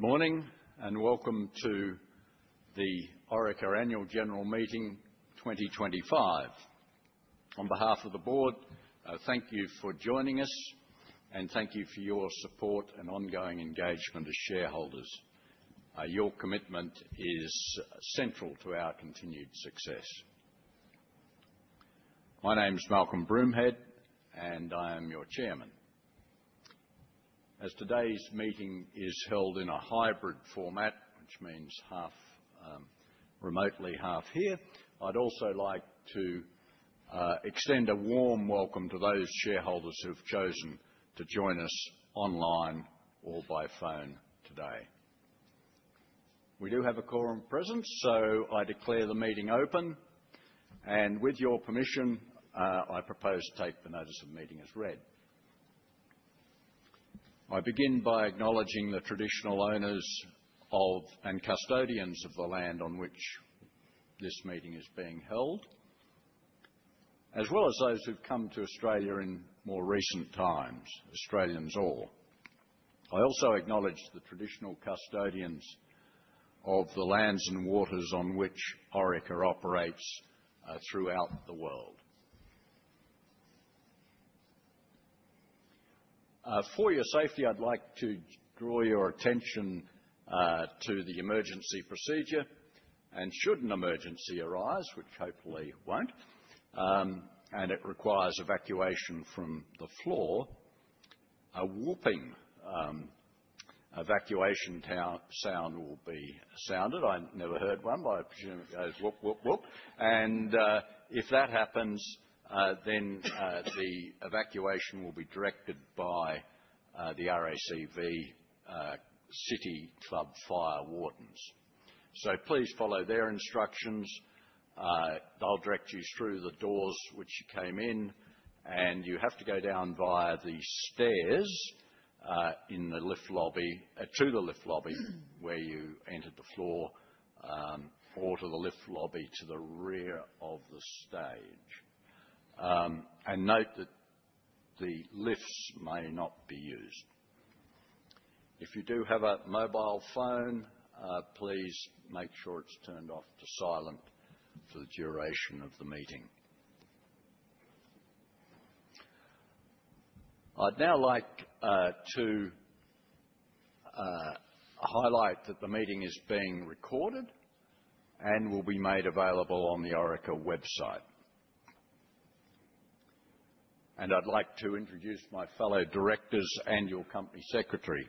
Good morning. Welcome to the Orica Annual General Meeting 2025. On behalf of the Board, thank you for joining us. Thank you for your support and ongoing engagement as shareholders. Your commitment is central to our continued success. My name is Malcolm Broomhead. I am your Chairman. As today's meeting is held in a hybrid format, which means half remotely, half here, I'd also like to extend a warm welcome to those shareholders who've chosen to join us online or by phone today. We do have a quorum present, so I declare the meeting open. With your permission, I propose to take the notice of the meeting as read. I begin by acknowledging the traditional owners of and custodians of the land on which this meeting is being held, as well as those who've come to Australia in more recent times, Australians all. I also acknowledge the traditional custodians of the lands and waters on which Orica operates throughout the world. For your safety, I'd like to draw your attention to the emergency procedure. Should an emergency arise, which hopefully won't, it requires evacuation from the floor, a whooping evacuation sound will be sounded. I've never heard one, but I presume it goes whoop, whoop. If that happens, then the evacuation will be directed by the RACV City Club fire wardens. Please follow their instructions. They'll direct you through the doors which you came in. You have to go down via the stairs to the lift lobby where you entered the floor, or to the lift lobby to the rear of the stage. Note that the lifts may not be used. If you do have a mobile phone, please make sure it's turned off to silent for the duration of the meeting. I'd now like to highlight that the meeting is being recorded and will be made available on the Orica website. I'd like to introduce my fellow Directors and your Company Secretary.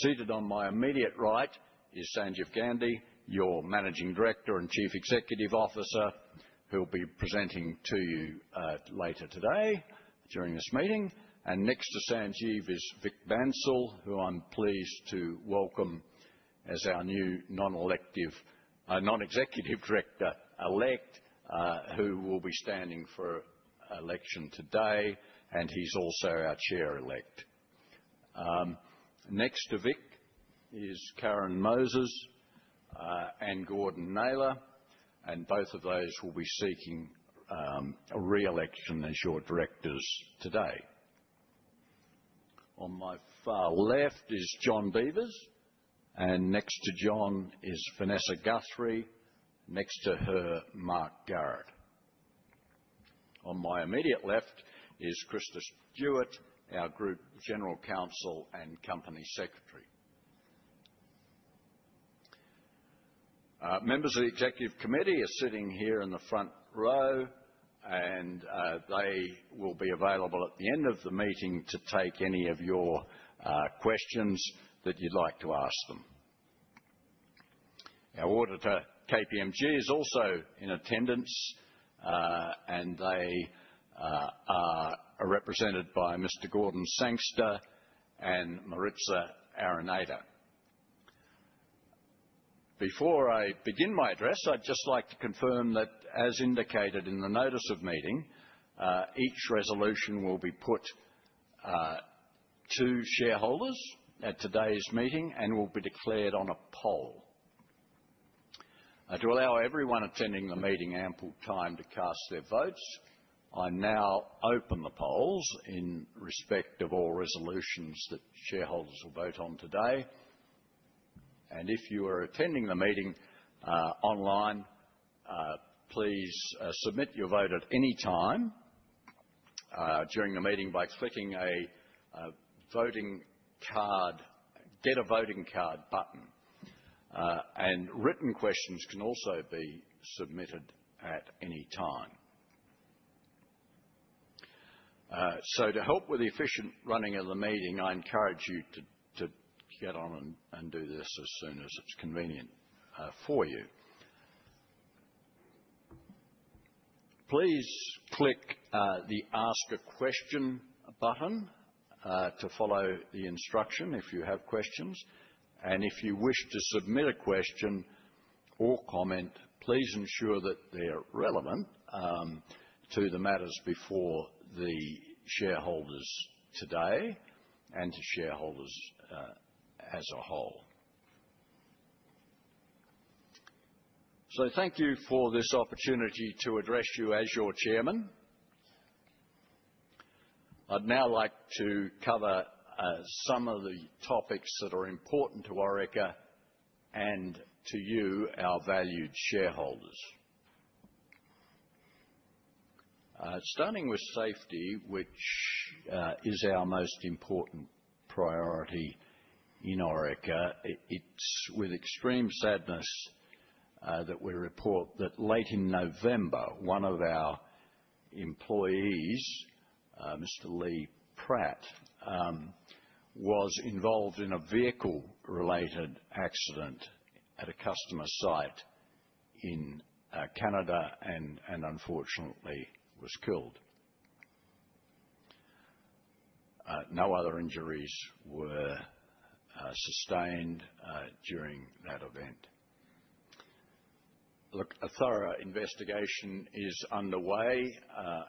Seated on my immediate right is Sanjeev Gandhi, your Managing Director and Chief Executive Officer, who will be presenting to you later today during this meeting. Next to Sanjeev is Vik Bansal, who I'm pleased to welcome as our new Non-executive Director elect, who will be standing for election today. He's also our Chair elect. Next to Vik is Karen Moses and Gordon Naylor. Both of those will be seeking re-election as your Directors today. On my far left is John Beevers. Next to John is Vanessa Guthrie. Next to her, Mark Garrett. On my immediate left is Krista Stewart, our Group General Counsel and Company Secretary. Members of the Executive Committee are sitting here in the front row. They will be available at the end of the meeting to take any of your questions that you'd like to ask them. Our auditor, KPMG, is also in attendance. They are represented by Mr. Gordon Sangster and Maritza Araneda. Before I begin my address, I'd just like to confirm that, as indicated in the notice of meeting, each resolution will be put to shareholders at today's meeting and will be declared on a poll. To allow everyone attending the meeting ample time to cast their votes, I now open the polls in respect of all resolutions that shareholders will vote on today. If you are attending the meeting online, please submit your vote at any time during the meeting by clicking a get a voting card button. Written questions can also be submitted at any time. To help with the efficient running of the meeting, I encourage you to get on and do this as soon as it is convenient for you. Please click the ask a question button to follow the instruction if you have questions. If you wish to submit a question or comment, please ensure that they are relevant to the matters before the shareholders today and to shareholders as a whole. Thank you for this opportunity to address you as your chairman. I'd now like to cover some of the topics that are important to Orica and to you, our valued shareholders. Starting with safety, which is our most important priority in Orica. It's with extreme sadness that we report that late in November, one of our employees, Mr. Lee Pratt, was involved in a vehicle-related accident at a customer site in Canada and unfortunately was killed. No other injuries were sustained during that event. Look, a thorough investigation is underway,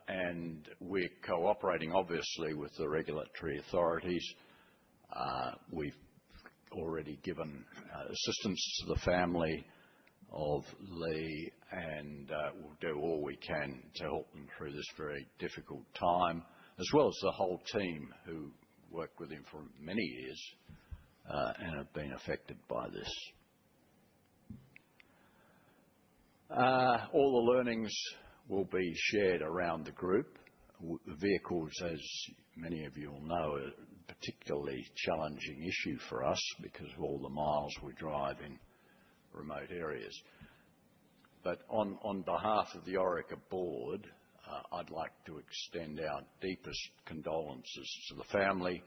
and we're cooperating, obviously, with the regulatory authorities. We've already given assistance to the family of Lee, and we'll do all we can to help them through this very difficult time, as well as the whole team who worked with him for many years and have been affected by this. All the learnings will be shared around the group. Vehicles, as many of you will know, are a particularly challenging issue for us because of all the miles we drive in remote areas. On behalf of the Orica board, I'd like to extend our deepest condolences to the family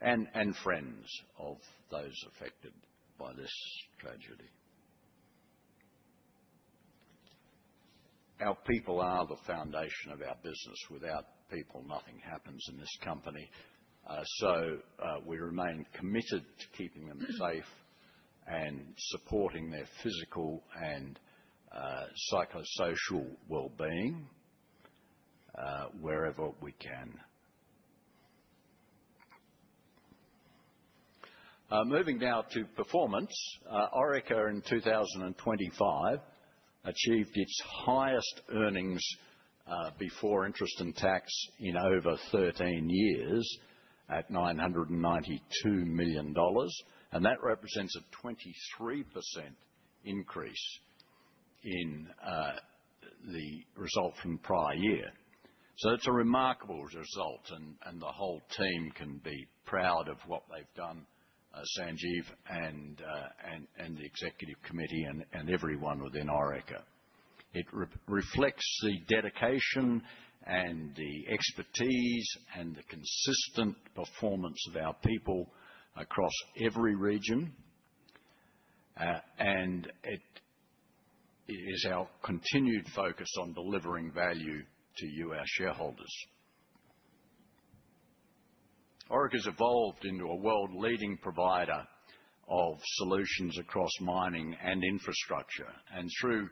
and friends of those affected by this tragedy. Our people are the foundation of our business. Without people, nothing happens in this company. We remain committed to keeping them safe and supporting their physical and psychosocial well-being wherever we can. Moving now to performance. Orica in 2025 achieved its highest earnings before interest and tax in over 13 years at 992 million dollars. That represents a 23% increase in the result from prior year. It's a remarkable result, and the whole team can be proud of what they've done, Sanjeev and the executive committee and everyone within Orica. It reflects the dedication and the expertise and the consistent performance of our people across every region. It is our continued focus on delivering value to you, our shareholders. Orica's evolved into a world-leading provider of solutions across mining and infrastructure. Through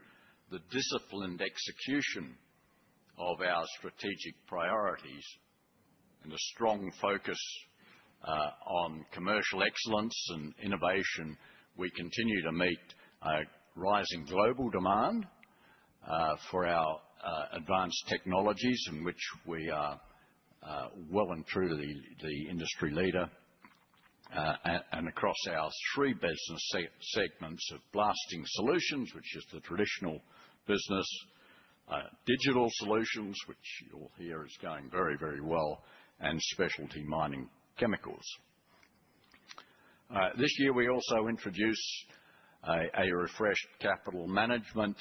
the disciplined execution of our strategic priorities and a strong focus on commercial excellence and innovation, we continue to meet a rising global demand for our advanced technologies, in which we are well and truly the industry leader, and across our three business segments of Blasting Solutions, which is the traditional business; Digital Solutions, which you'll hear is going very well; and Specialty Mining Chemicals. This year, we also introduced a refreshed capital management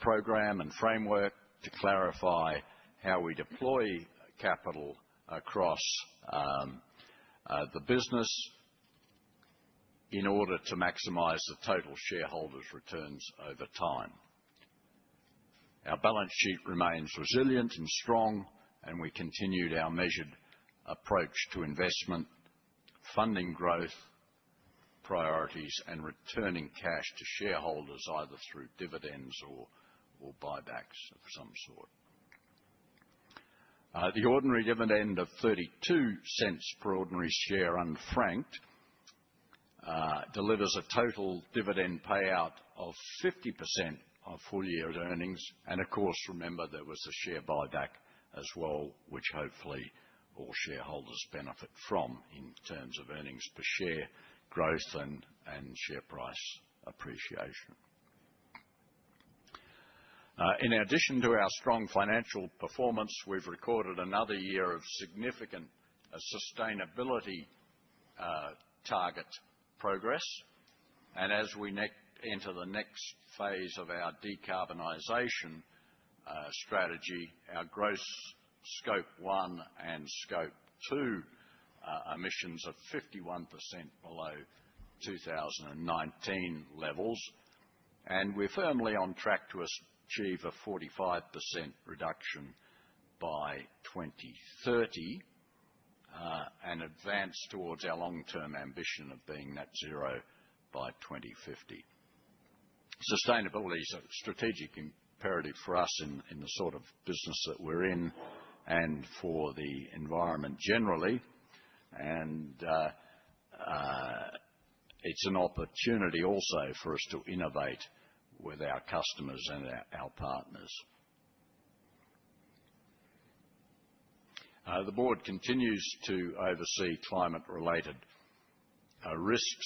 program and framework to clarify how we deploy capital across the business in order to maximize the total shareholders' returns over time. Our balance sheet remains resilient and strong. We continued our measured approach to investment, funding growth priorities, and returning cash to shareholders, either through dividends or buybacks of some sort. The ordinary dividend of 0.32 per ordinary share unfranked delivers a total dividend payout of 50% of full-year earnings. Of course, remember, there was a share buyback as well, which hopefully all shareholders benefit from in terms of earnings per share growth and share price appreciation. In addition to our strong financial performance, we've recorded another year of significant sustainability target progress. As we enter the next phase of our decarbonization strategy, our gross Scope 1 and Scope 2 emissions are 51% below 2019 levels. We're firmly on track to achieve a 45% reduction by 2030 and advance towards our long-term ambition of being net zero by 2050. Sustainability is a strategic imperative for us in the sort of business that we're in and for the environment generally. It's an opportunity also for us to innovate with our customers and our partners. The board continues to oversee climate-related risks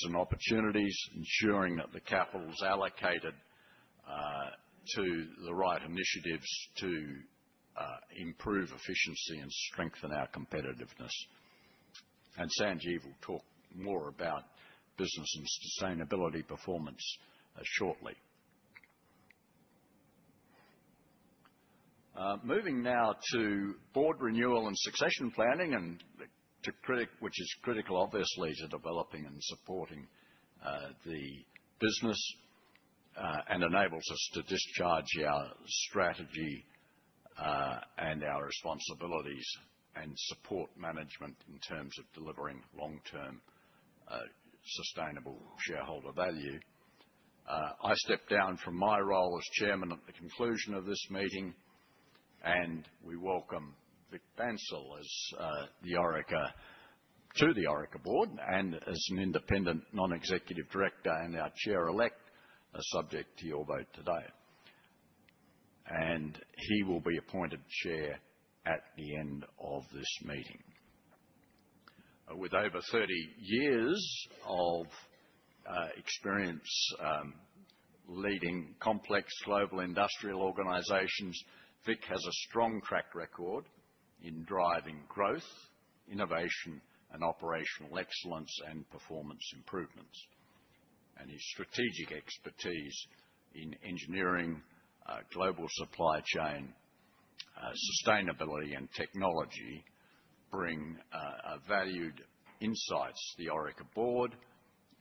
and opportunities, ensuring that the capital is allocated to the right initiatives to improve efficiency and strengthen our competitiveness. Sanjeev will talk more about business and sustainability performance shortly. Moving now to board renewal and succession planning, which is critical obviously to developing and supporting the business, enables us to discharge our strategy and our responsibilities and support management in terms of delivering long-term sustainable shareholder value. I step down from my role as chairman at the conclusion of this meeting, we welcome Vik Bansal to the Orica board and as an independent non-executive director and our chair elect, subject to your vote today. He will be appointed chair at the end of this meeting. With over 30 years of experience leading complex global industrial organizations, Vik has a strong track record in driving growth, innovation, and operational excellence and performance improvements. His strategic expertise in engineering, global supply chain, sustainability, and technology bring valued insights to the Orica board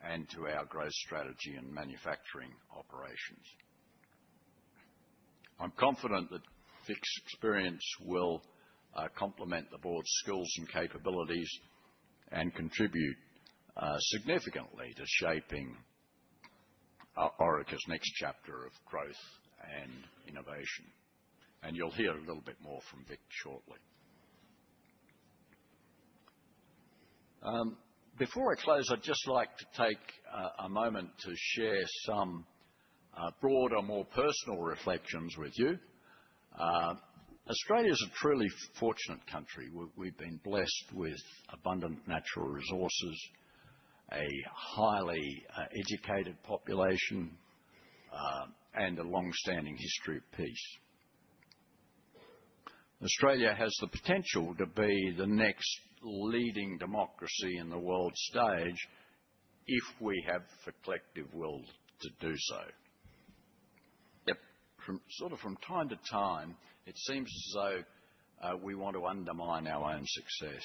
and to our growth strategy and manufacturing operations. I'm confident that Vic's experience will complement the board's skills and capabilities and contribute significantly to shaping Orica's next chapter of growth and innovation. You'll hear a little bit more from Vik shortly. Before I close, I'd just like to take a moment to share some broader, more personal reflections with you. Australia's a truly fortunate country. We've been blessed with abundant natural resources, a highly educated population, and a long-standing history of peace. Australia has the potential to be the next leading democracy in the world stage if we have the collective will to do so. Yet, from time to time, it seems as though we want to undermine our own success,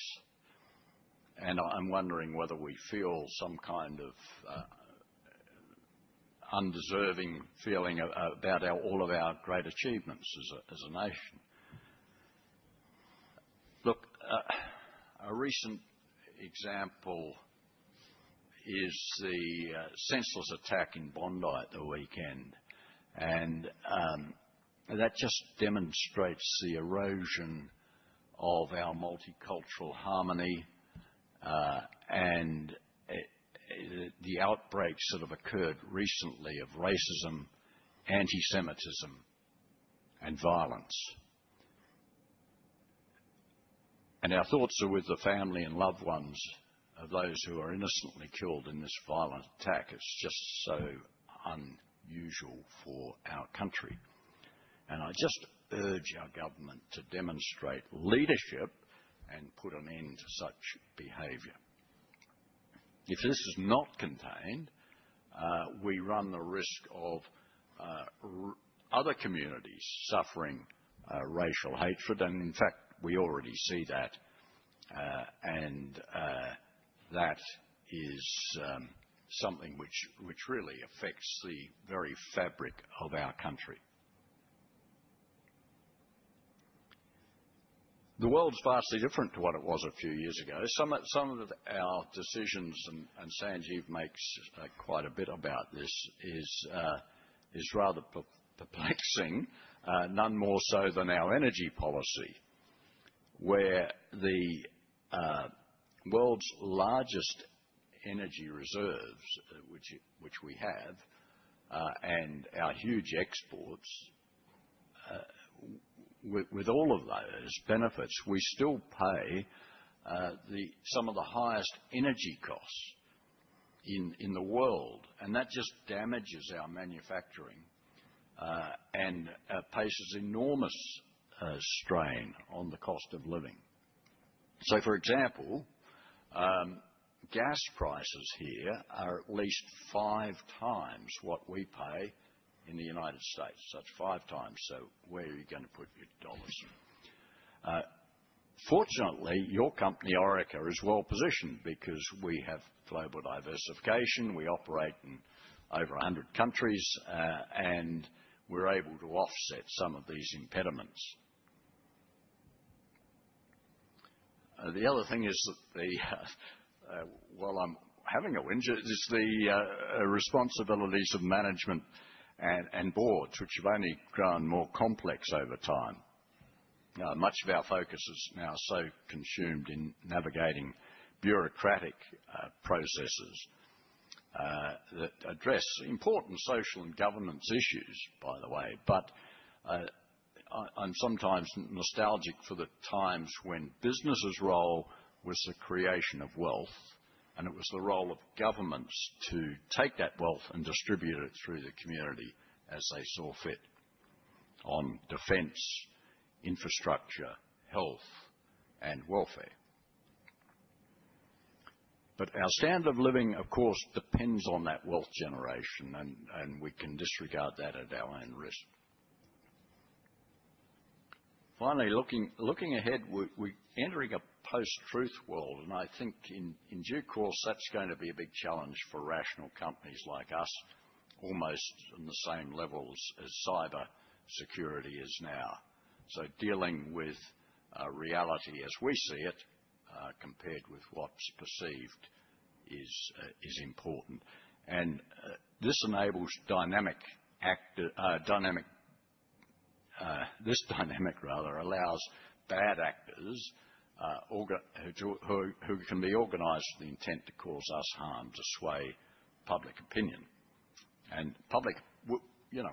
I'm wondering whether we feel some kind of undeserving feeling about all of our great achievements as a nation. Look, a recent example is the senseless attack in Bondi at the weekend, that just demonstrates the erosion of our multicultural harmony and the outbreaks that have occurred recently of racism, antisemitism, and violence. Our thoughts are with the family and loved ones of those who were innocently killed in this violent attack. It's just so unusual for our country. I just urge our government to demonstrate leadership and put an end to such behavior. If this is not contained, we run the risk of other communities suffering racial hatred, and in fact, we already see that. That is something which really affects the very fabric of our country. The world's vastly different to what it was a few years ago. Some of our decisions, and Sanjeev makes quite a bit about this, is rather perplexing. None more so than our energy policy, where the world's largest energy reserves, which we have, and our huge exports, with all of those benefits, we still pay some of the highest energy costs in the world. That just damages our manufacturing and places enormous strain on the cost of living. For example, gas prices here are at least five times what we pay in the U.S. That's five times. Where are you going to put your dollars? Fortunately, your company, Orica, is well-positioned because we have global diversification. We operate in over 100 countries. We're able to offset some of these impediments. While I'm having a whinge, the responsibilities of management and boards, which have only grown more complex over time. Much of our focus is now so consumed in navigating bureaucratic processes that address important social and governance issues, by the way. I'm sometimes nostalgic for the times when business' role was the creation of wealth, and it was the role of governments to take that wealth and distribute it through the community as they saw fit on defense, infrastructure, health, and welfare. Our standard of living, of course, depends on that wealth generation, and we can disregard that at our own risk. Finally, looking ahead, we're entering a post-truth world, and I think in due course, that's going to be a big challenge for rational companies like us, almost on the same level as cybersecurity is now. Dealing with reality as we see it, compared with what's perceived, is important. This dynamic allows bad actors who can be organized with the intent to cause us harm to sway public opinion.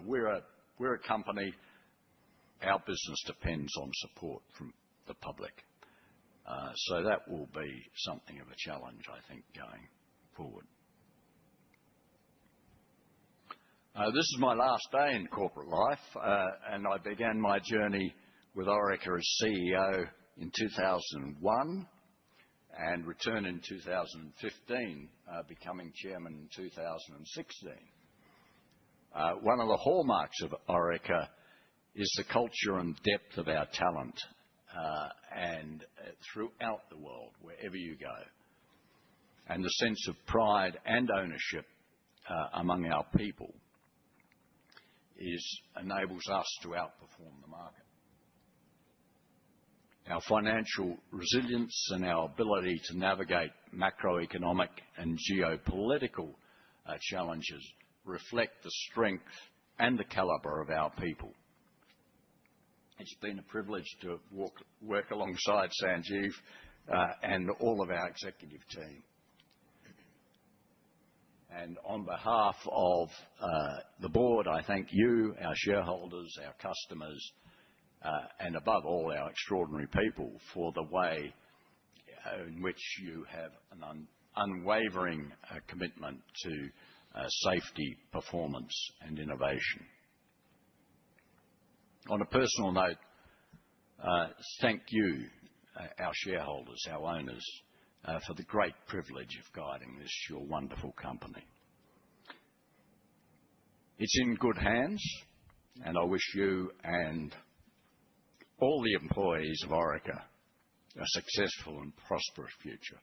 We're a company, our business depends on support from the public. That will be something of a challenge, I think, going forward. This is my last day in corporate life. I began my journey with Orica as CEO in 2001 and returned in 2015, becoming Chairman in 2016. One of the hallmarks of Orica is the culture and depth of our talent, and throughout the world, wherever you go. The sense of pride and ownership among our people enables us to outperform the market. Our financial resilience and our ability to navigate macroeconomic and geopolitical challenges reflect the strength and the caliber of our people. It's been a privilege to work alongside Sanjeev and all of our executive team. On behalf of the Board, I thank you, our shareholders, our customers, and above all, our extraordinary people for the way in which you have an unwavering commitment to safety, performance, and innovation. On a personal note, thank you, our shareholders, our owners, for the great privilege of guiding this wonderful company. It's in good hands, and I wish you and all the employees of Orica a successful and prosperous future.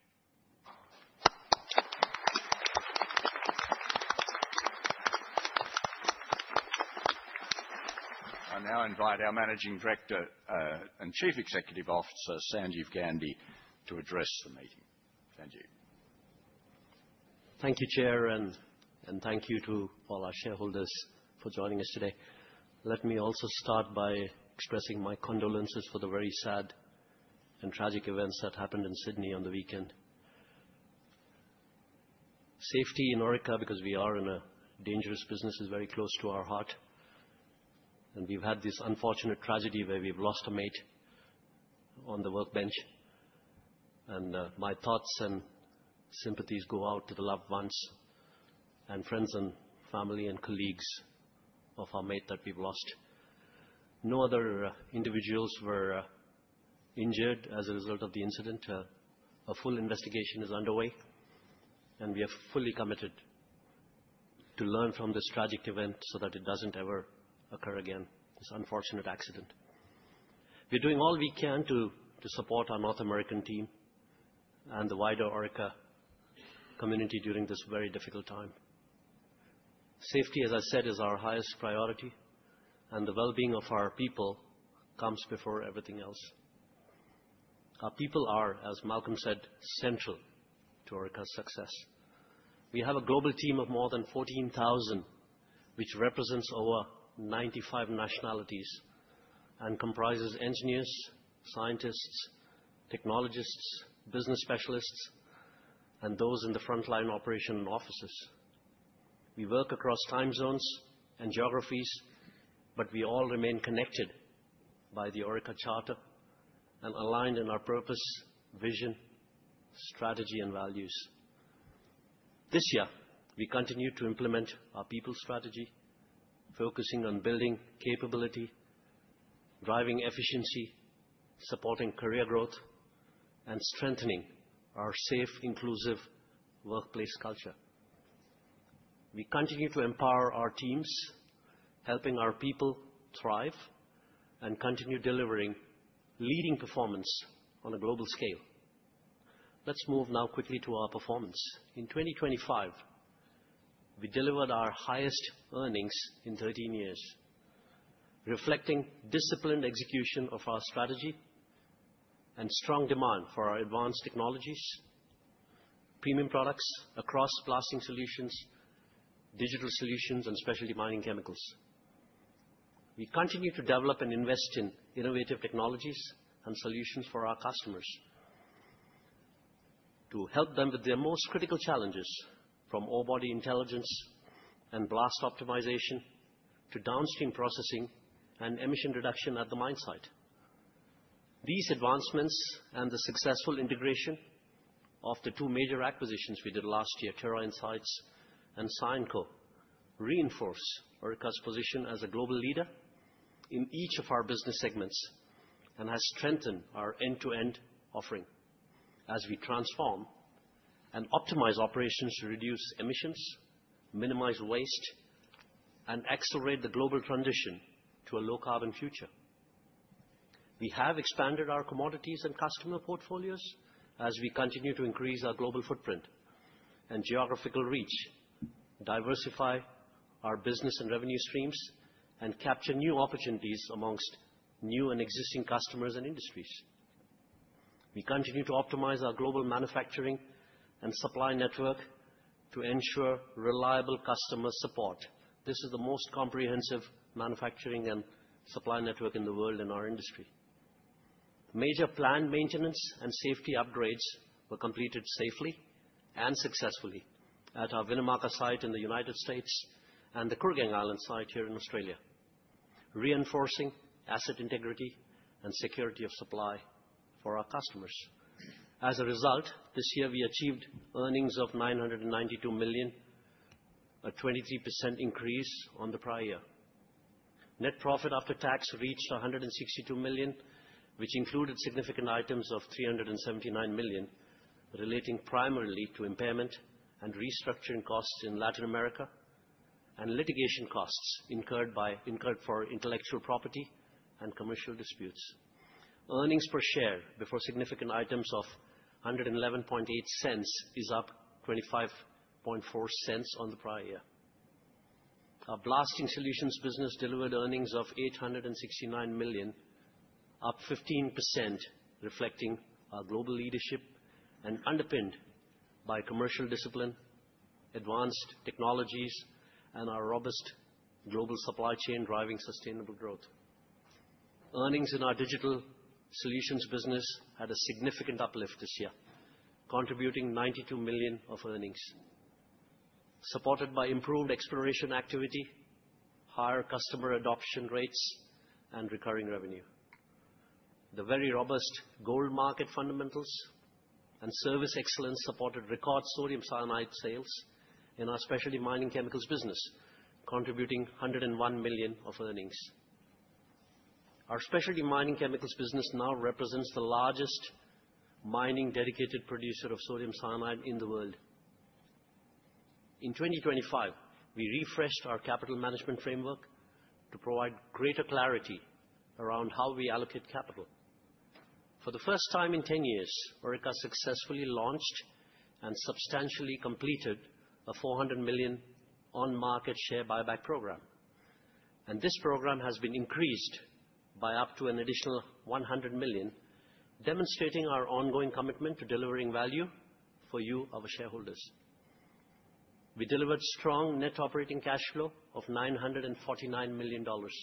I now invite our Managing Director and Chief Executive Officer, Sanjeev Gandhi, to address the meeting. Sanjeev. Thank you, Chair, and thank you to all our shareholders for joining us today. Let me also start by expressing my condolences for the very sad and tragic events that happened in Sydney on the weekend. Safety in Orica, because we are in a dangerous business, is very close to our heart. We've had this unfortunate tragedy where we've lost a mate on the workbench. My thoughts and sympathies go out to the loved ones and friends and family and colleagues of our mate that we've lost. No other individuals were injured as a result of the incident. A full investigation is underway. We are fully committed to learn from this tragic event so that it doesn't ever occur again, this unfortunate accident. We're doing all we can to support our North American team and the wider Orica community during this very difficult time. Safety, as I said, is our highest priority. The well-being of our people comes before everything else. Our people are, as Malcolm said, central to Orica's success. We have a global team of more than 14,000, which represents over 95 nationalities and comprises engineers, scientists, technologists, business specialists, and those in the frontline operation and offices. We work across time zones and geographies. We all remain connected by the Orica Charter and aligned in our purpose, vision, strategy, and values. This year, we continue to implement our people strategy, focusing on building capability, driving efficiency, supporting career growth, and strengthening our safe, inclusive workplace culture. We continue to empower our teams, helping our people thrive and continue delivering leading performance on a global scale. Let's move now quickly to our performance. We delivered our highest earnings in 13 years, reflecting disciplined execution of our strategy and strong demand for our advanced technologies, premium products across Blasting Solutions, Digital Solutions and Specialty Mining Chemicals. We continue to develop and invest in innovative technologies and solutions for our customers to help them with their most critical challenges, from ore body intelligence and blast optimization to downstream processing and emission reduction at the mine site. These advancements and the successful integration of the two major acquisitions we did last year, Terra Insights and Cyanco, reinforce Orica's position as a global leader in each of our business segments and has strengthened our end-to-end offering as we transform and optimize operations to reduce emissions, minimize waste, and accelerate the global transition to a low carbon future. We have expanded our commodities and customer portfolios as we continue to increase our global footprint and geographical reach, diversify our business and revenue streams, and capture new opportunities amongst new and existing customers and industries. We continue to optimize our global manufacturing and supply network to ensure reliable customer support. This is the most comprehensive manufacturing and supply network in the world in our industry. Major planned maintenance and safety upgrades were completed safely and successfully at our Winnemucca site in the United States and the Kooragang Island site here in Australia, reinforcing asset integrity and security of supply for our customers. As a result, this year we achieved earnings of 992 million, a 23% increase on the prior year. Net profit after tax reached 162 million, which included significant items of 379 million relating primarily to impairment and restructuring costs in Latin America, and litigation costs incurred for intellectual property and commercial disputes. Earnings per share before significant items of 1.118 is up 0.254 on the prior year. Our Blasting Solutions business delivered earnings of 869 million, up 15%, reflecting our global leadership and underpinned by commercial discipline, advanced technologies, and our robust global supply chain driving sustainable growth. Earnings in our Digital Solutions business had a significant uplift this year, contributing 92 million of earnings, supported by improved exploration activity, higher customer adoption rates and recurring revenue. The very robust gold market fundamentals and service excellence supported record sodium cyanide sales in our Specialty Mining Chemicals business, contributing 101 million of earnings. Our Specialty Mining Chemicals business now represents the largest mining dedicated producer of sodium cyanide in the world. In 2025, we refreshed our capital management framework to provide greater clarity around how we allocate capital. For the first time in 10 years, Orica successfully launched and substantially completed an 400 million on-market share buyback program, and this program has been increased by up to an additional 100 million, demonstrating our ongoing commitment to delivering value for you, our shareholders. We delivered strong net operating cash flow of 949 million dollars,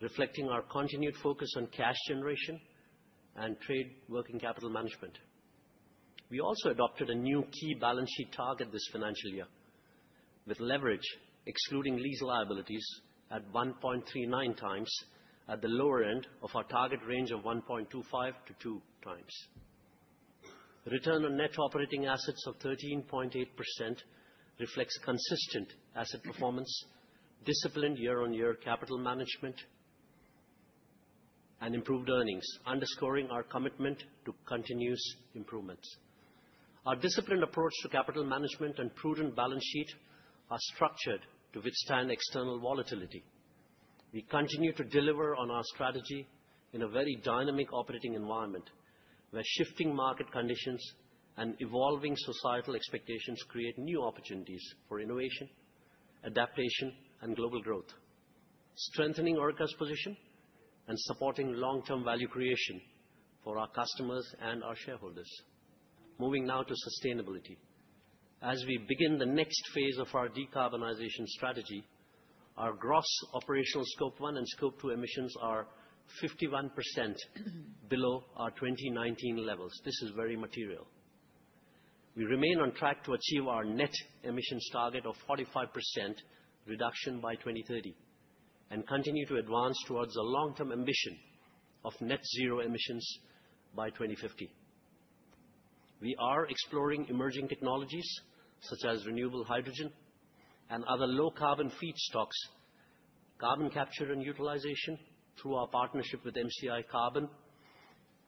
reflecting our continued focus on cash generation and trade working capital management. We also adopted a new key balance sheet target this financial year, with leverage excluding lease liabilities at 1.39 times at the lower end of our target range of 1.25 to 2 times. Return on net operating assets of 13.8% reflects consistent asset performance, disciplined year-on-year capital management, and improved earnings, underscoring our commitment to continuous improvements. Our disciplined approach to capital management and prudent balance sheet are structured to withstand external volatility. We continue to deliver on our strategy in a very dynamic operating environment, where shifting market conditions and evolving societal expectations create new opportunities for innovation, adaptation, and global growth, strengthening Orica's position and supporting long-term value creation for our customers and our shareholders. Moving now to sustainability. As we begin the next phase of our decarbonization strategy, our gross operational Scope 1 and Scope 2 emissions are 51% below our 2019 levels. This is very material. We remain on track to achieve our net emissions target of 45% reduction by 2030 and continue to advance towards a long-term ambition of net zero emissions by 2050. We are exploring emerging technologies such as renewable hydrogen and other low carbon feedstocks, carbon capture and utilization through our partnership with MCi Carbon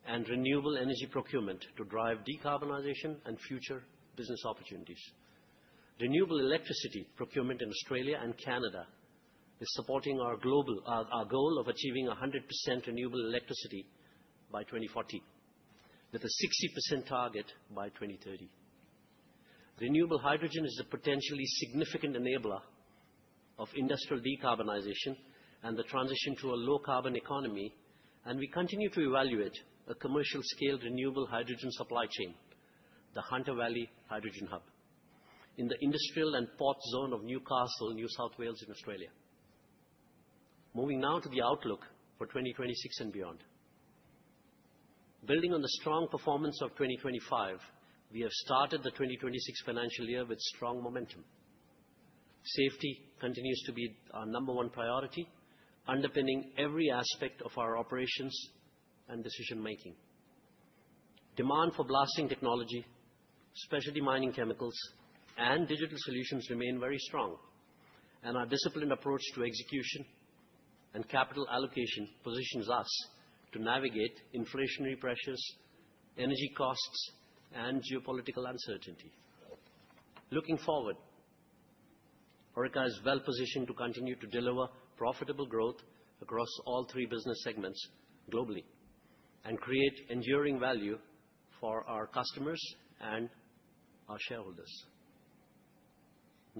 and renewable energy procurement to drive decarbonization and future business opportunities. Renewable electricity procurement in Australia and Canada is supporting our goal of achieving 100% renewable electricity by 2040. With a 60% target by 2030. Renewable hydrogen is a potentially significant enabler of industrial decarbonization and the transition to a low carbon economy, we continue to evaluate a commercial scale renewable hydrogen supply chain, the Hunter Valley Hydrogen Hub, in the industrial and port zone of Newcastle, New South Wales, in Australia. Moving now to the outlook for 2026 and beyond. Building on the strong performance of 2025, we have started the 2026 financial year with strong momentum. Safety continues to be our number one priority, underpinning every aspect of our operations and decision making. Demand for Blasting Solutions, Specialty Mining Chemicals, and Digital Solutions remain very strong, our disciplined approach to execution and capital allocation positions us to navigate inflationary pressures, energy costs, and geopolitical uncertainty. Looking forward, Orica is well-positioned to continue to deliver profitable growth across all three business segments globally and create enduring value for our customers and our shareholders.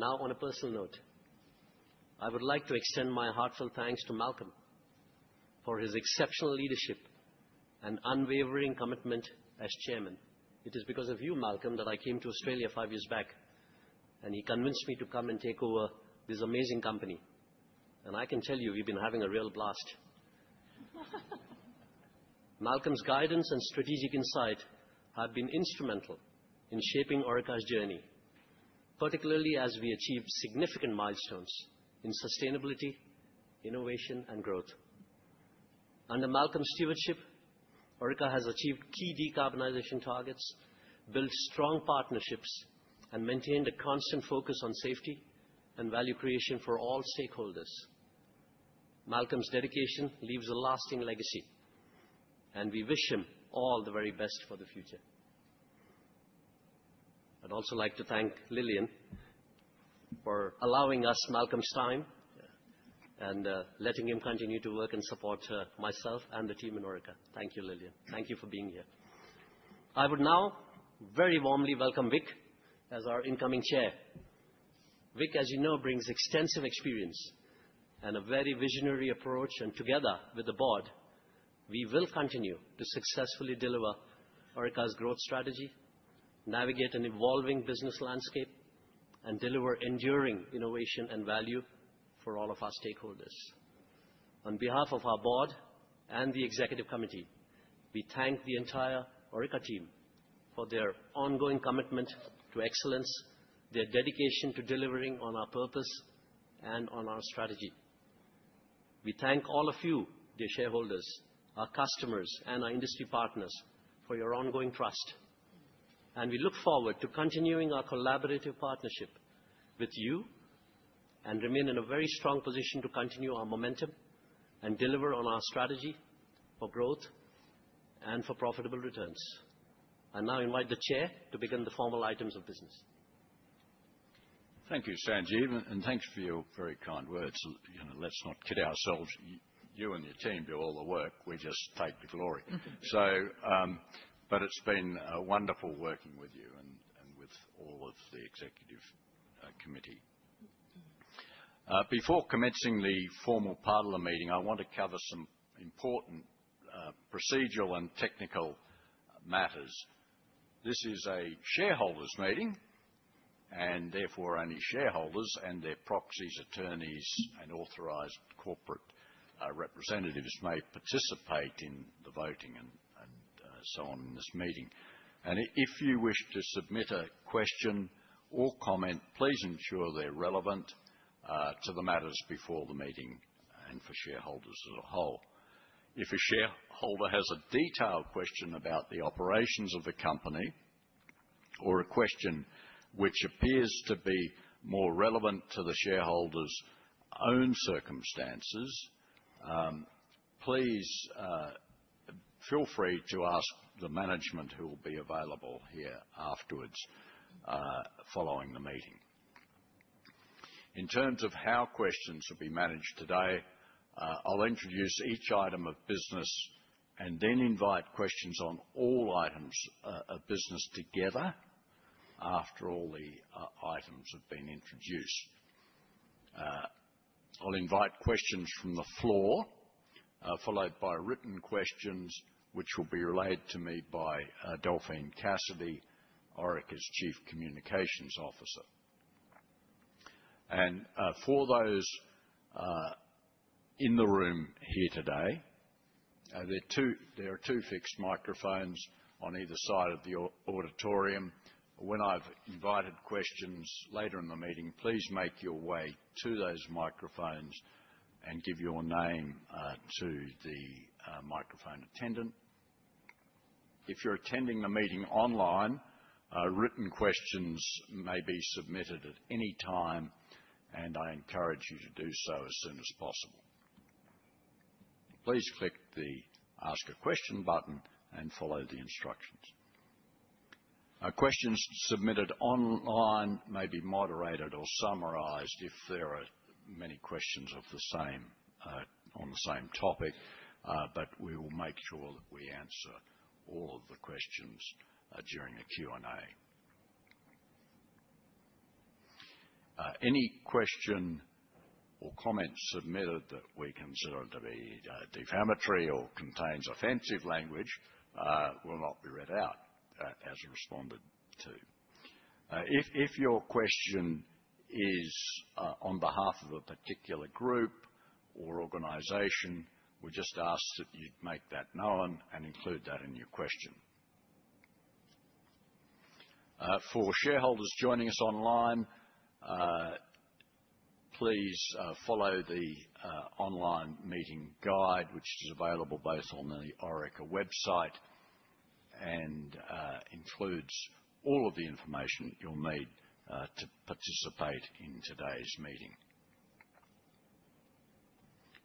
On a personal note, I would like to extend my heartfelt thanks to Malcolm for his exceptional leadership and unwavering commitment as Chairman. It is because of you, Malcolm, that I came to Australia five years back, and he convinced me to come and take over this amazing company, and I can tell you, we've been having a real blast. Malcolm's guidance and strategic insight have been instrumental in shaping Orica's journey, particularly as we achieve significant milestones in sustainability, innovation, and growth. Under Malcolm's stewardship, Orica has achieved key decarbonization targets, built strong partnerships, and maintained a constant focus on safety and value creation for all stakeholders. Malcolm's dedication leaves a lasting legacy, we wish him all the very best for the future. I'd also like to thank Lillian for allowing us Malcolm's time and letting him continue to work and support myself and the team in Orica. Thank you, Lillian. Thank you for being here. I would now very warmly welcome Vik as our incoming Chair. Vik, as you know, brings extensive experience and a very visionary approach, together with the board, we will continue to successfully deliver Orica's growth strategy, navigate an evolving business landscape, and deliver enduring innovation and value for all of our stakeholders. On behalf of our board and the executive committee, we thank the entire Orica team for their ongoing commitment to excellence, their dedication to delivering on our purpose and on our strategy. We thank all of you, dear shareholders, our customers, and our industry partners for your ongoing trust, and we look forward to continuing our collaborative partnership with you and remain in a very strong position to continue our momentum and deliver on our strategy for growth and for profitable returns. I now invite the Chair to begin the formal items of business. Thank you, Sanjeev, thanks for your very kind words. Let's not kid ourselves. You and your team do all the work. We just take the glory. It's been wonderful working with you and with all of the executive committee. Before commencing the formal part of the meeting, I want to cover some important procedural and technical matters. This is a shareholders meeting, therefore, only shareholders and their proxies, attorneys, and authorized corporate representatives may participate in the voting and so on in this meeting. If you wish to submit a question or comment, please ensure they're relevant to the matters before the meeting and for shareholders as a whole. If a shareholder has a detailed question about the operations of the company or a question which appears to be more relevant to the shareholder's own circumstances, please feel free to ask the management who will be available here afterwards, following the meeting. In terms of how questions will be managed today, I'll introduce each item of business then invite questions on all items of business together after all the items have been introduced. I'll invite questions from the floor, followed by written questions which will be relayed to me by Delphine Cassidy, Orica's Chief Communications Officer. For those in the room here today, there are two fixed microphones on either side of the auditorium. When I've invited questions later in the meeting, please make your way to those microphones and give your name to the microphone attendant. If you're attending the meeting online, written questions may be submitted at any time. I encourage you to do so as soon as possible. Please click the Ask a Question button and follow the instructions. Questions submitted online may be moderated or summarized if there are many questions on the same topic. We will make sure that we answer all of the questions during the Q&A. Any question or comment submitted that we consider to be defamatory or contains offensive language will not be read out as responded to. If your question is on behalf of a particular group or organization, we just ask that you'd make that known and include that in your question. For shareholders joining us online, please follow the online meeting guide, which is available both on the Orica website and includes all of the information that you'll need to participate in today's meeting.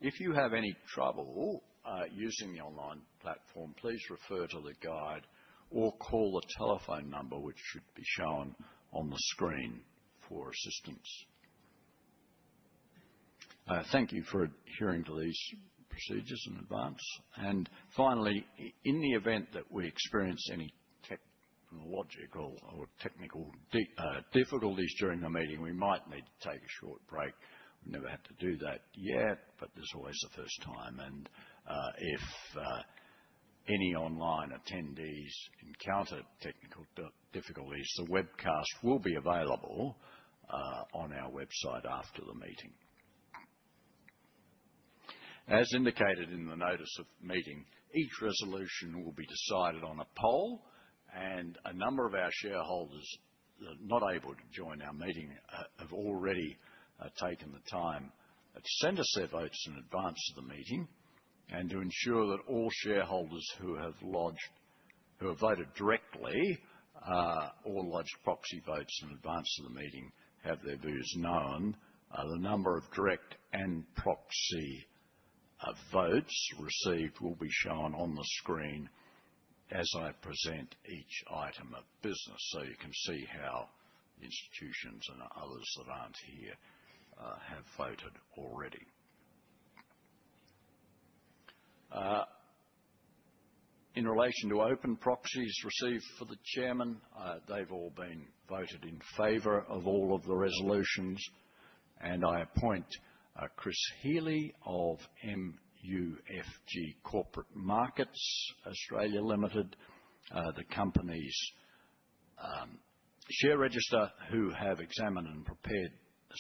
If you have any trouble using the online platform, please refer to the guide or call the telephone number, which should be shown on the screen for assistance. Thank you for adhering to these procedures in advance. Finally, in the event that we experience any technological or technical difficulties during the meeting, we might need to take a short break. We've never had to do that yet. There's always a first time. If any online attendees encounter technical difficulties, the webcast will be available on our website after the meeting. As indicated in the notice of the meeting, each resolution will be decided on a poll. A number of our shareholders not able to join our meeting have already taken the time to send us their votes in advance of the meeting. To ensure that all shareholders who have voted directly or lodged proxy votes in advance of the meeting have their views known, the number of direct and proxy votes received will be shown on the screen as I present each item of business. You can see how institutions and others that aren't here have voted already. In relation to open proxies received for the chairman, they've all been voted in favor of all of the resolutions. I appoint Chris Healy of MUFG Corporate Markets Australia Limited, the company's share register, who have examined and prepared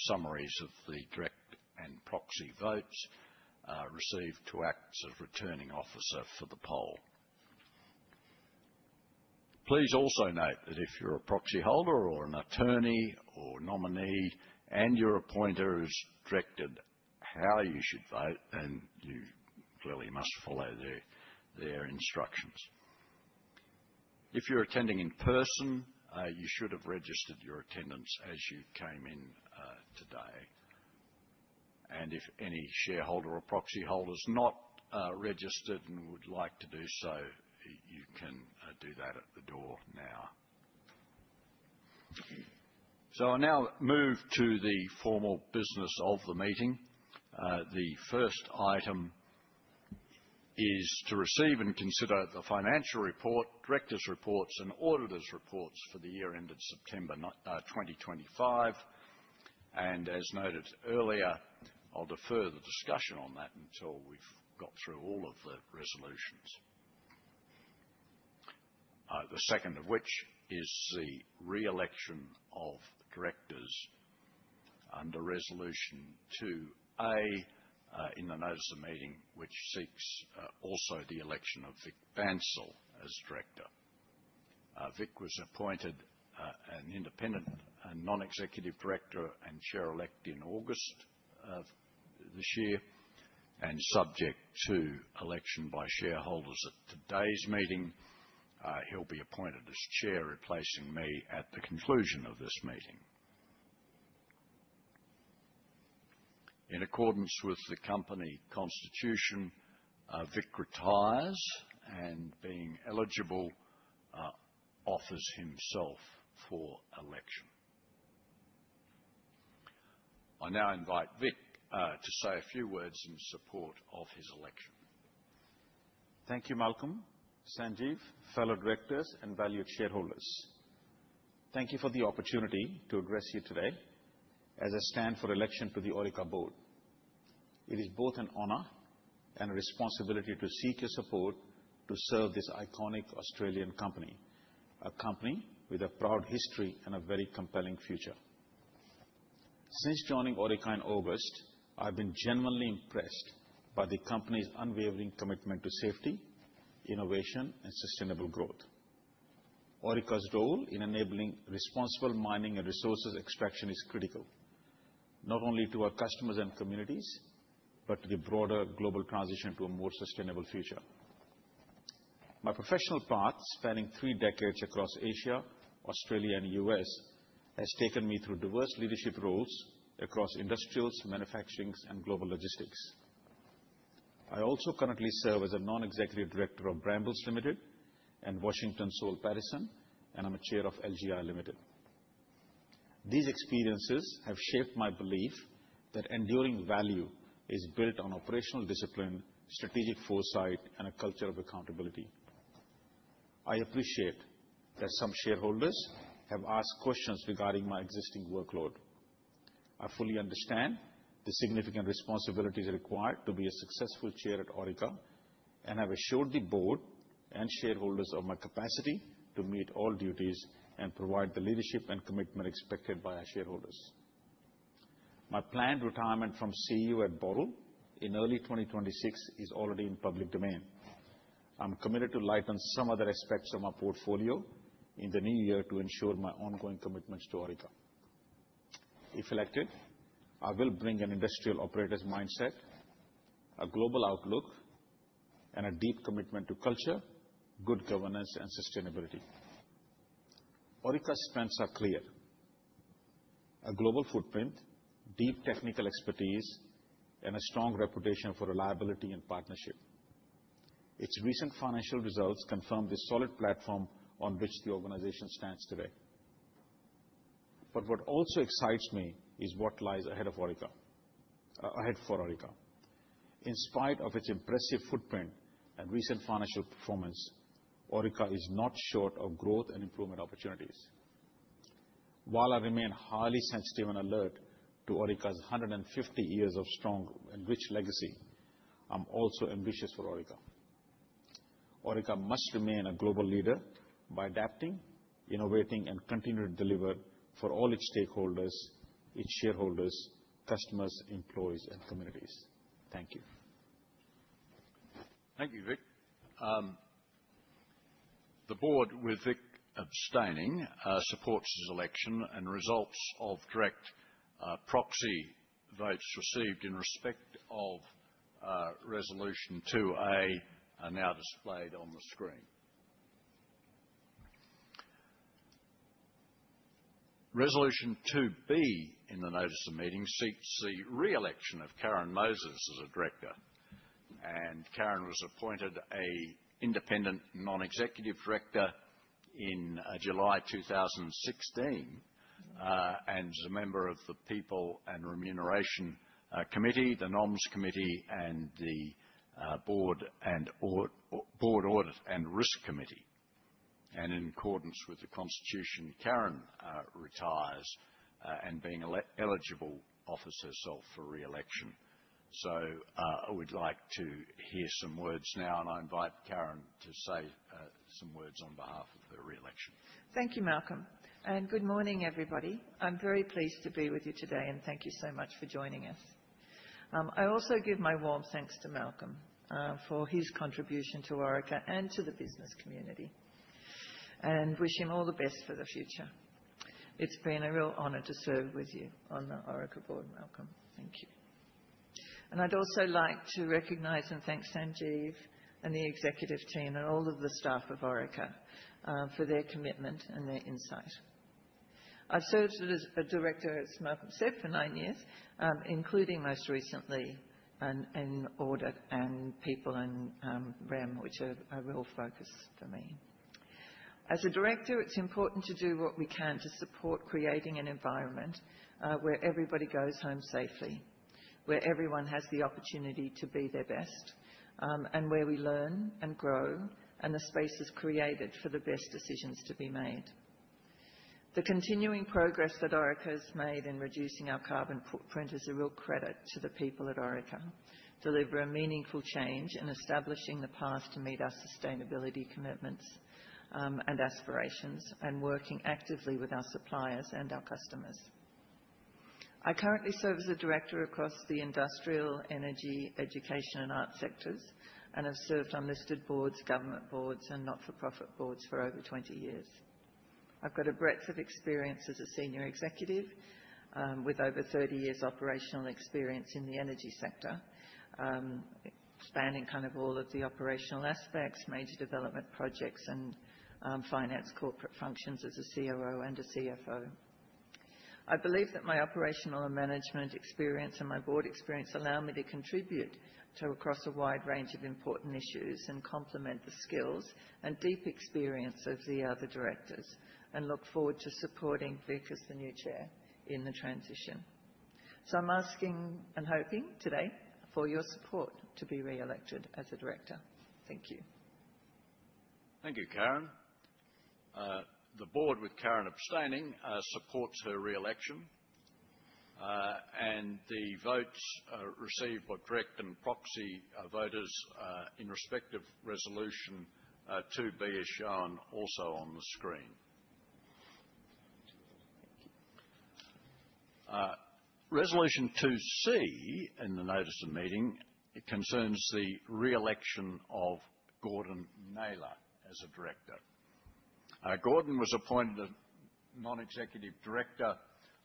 summaries of the direct and proxy votes received to act as returning officer for the poll. Please also note that if you're a proxyholder or an attorney or nominee and your appointer has directed how you should vote, you clearly must follow their instructions. If you're attending in person, you should have registered your attendance as you came in today. If any shareholder or proxyholder is not registered and would like to do so, you can do that at the door now. I'll now move to the formal business of the meeting. The first item is to receive and consider the financial report, directors' reports, and auditors' reports for the year ended September 2025. As noted earlier, I'll defer the discussion on that until we've got through all of the resolutions. The second of which is the re-election of the directors under Resolution 2A in the notice of meeting, which seeks also the election of Vik Bansal as director. Vik was appointed an independent and non-executive director and chair-elect in August of this year. Subject to election by shareholders at today's meeting, he'll be appointed as chair, replacing me at the conclusion of this meeting. In accordance with the company constitution, Vik retires. Being eligible, offers himself for election. I now invite Vik to say a few words in support of his election. Thank you, Malcolm, Sanjeev, fellow directors, and valued shareholders. Thank you for the opportunity to address you today as I stand for election to the Orica board. It is both an honor and a responsibility to seek your support to serve this iconic Australian company, a company with a proud history and a very compelling future. Since joining Orica in August, I've been genuinely impressed by the company's unwavering commitment to safety, innovation, and sustainable growth. Orica's role in enabling responsible mining and resources extraction is critical, not only to our customers and communities, but to the broader global transition to a more sustainable future. My professional path, spanning three decades across Asia, Australia, and U.S., has taken me through diverse leadership roles across industrials, manufacturing, and global logistics. I also currently serve as a non-executive director of Brambles Limited and Washington H. Soul Pattinson. I'm a chair of LGI Limited. These experiences have shaped my belief that enduring value is built on operational discipline, strategic foresight, and a culture of accountability. I appreciate that some shareholders have asked questions regarding my existing workload. I fully understand the significant responsibilities required to be a successful chair at Orica. I've assured the board and shareholders of my capacity to meet all duties and provide the leadership and commitment expected by our shareholders. My planned retirement from CEO at Boral in early 2026 is already in the public domain. I'm committed to lighten some other aspects of my portfolio in the new year to ensure my ongoing commitment to Orica. If elected, I will bring an industrial operator's mindset, a global outlook, and a deep commitment to culture, good governance, and sustainability. Orica's strengths are clear: a global footprint, deep technical expertise, and a strong reputation for reliability and partnership. Its recent financial results confirm the solid platform on which the organization stands today. What also excites me is what lies ahead for Orica. In spite of its impressive footprint and recent financial performance, Orica is not short of growth and improvement opportunities. While I remain highly sensitive and alert to Orica's 150 years of strong and rich legacy, I'm also ambitious for Orica. Orica must remain a global leader by adapting, innovating, and continuing to deliver for all its stakeholders, its shareholders, customers, employees, and communities. Thank you. Thank you, Vik. The board, with Vik abstaining, supports his election, and results of direct proxy votes received in respect of resolution 2A are now displayed on the screen. Resolution 2B in the notice of meeting seeks the re-election of Karen Moses as a director. Karen was appointed an independent non-executive director in July 2016, and is a member of the People and Remuneration Committee, the Nominations Committee, and the Board Audit and Risk Committee. In accordance with the constitution, Karen retires, and being eligible, offers herself for re-election. I would like to hear some words now, and I invite Karen to say some words on behalf of her re-election. Thank you, Malcolm, and good morning, everybody. I'm very pleased to be with you today, and thank you so much for joining us. I also give my warm thanks to Malcolm for his contribution to Orica and to the business community, and wish him all the best for the future. It's been a real honor to serve with you on the Orica board, Malcolm. Thank you. I'd also like to recognize and thank Sanjeev and the executive team and all of the staff of Orica for their commitment and their insight. I've served as a director, as Malcolm said, for nine years, including most recently in Audit and People and Rem, which are a real focus for me. As a director, it's important to do what we can to support creating an environment where everybody goes home safely, where everyone has the opportunity to be their best, and where we learn and grow, and the space is created for the best decisions to be made. The continuing progress that Orica has made in reducing our carbon footprint is a real credit to the people at Orica, deliver a meaningful change in establishing the path to meet our sustainability commitments and aspirations, and working actively with our suppliers and our customers. I currently serve as a director across the industrial, energy, education, and art sectors, and have served on listed boards, government boards, and not-for-profit boards for over 20 years. I've got a breadth of experience as a senior executive, with over 30 years operational experience in the energy sector, spanning all of the operational aspects, major development projects, and finance corporate functions as a COO and a CFO. I believe that my operational and management experience and my board experience allow me to contribute across a wide range of important issues and complement the skills and deep experience of the other directors, and look forward to supporting Vik as the new chair in the transition. I'm asking and hoping today for your support to be re-elected as a director. Thank you. Thank you, Karen. The board, with Karen abstaining, supports her re-election. The votes received by direct and proxy voters in respect of resolution 2B are shown also on the screen. Resolution 2C in the notice of meeting concerns the re-election of Gordon Naylor as a director. Gordon was appointed a non-executive director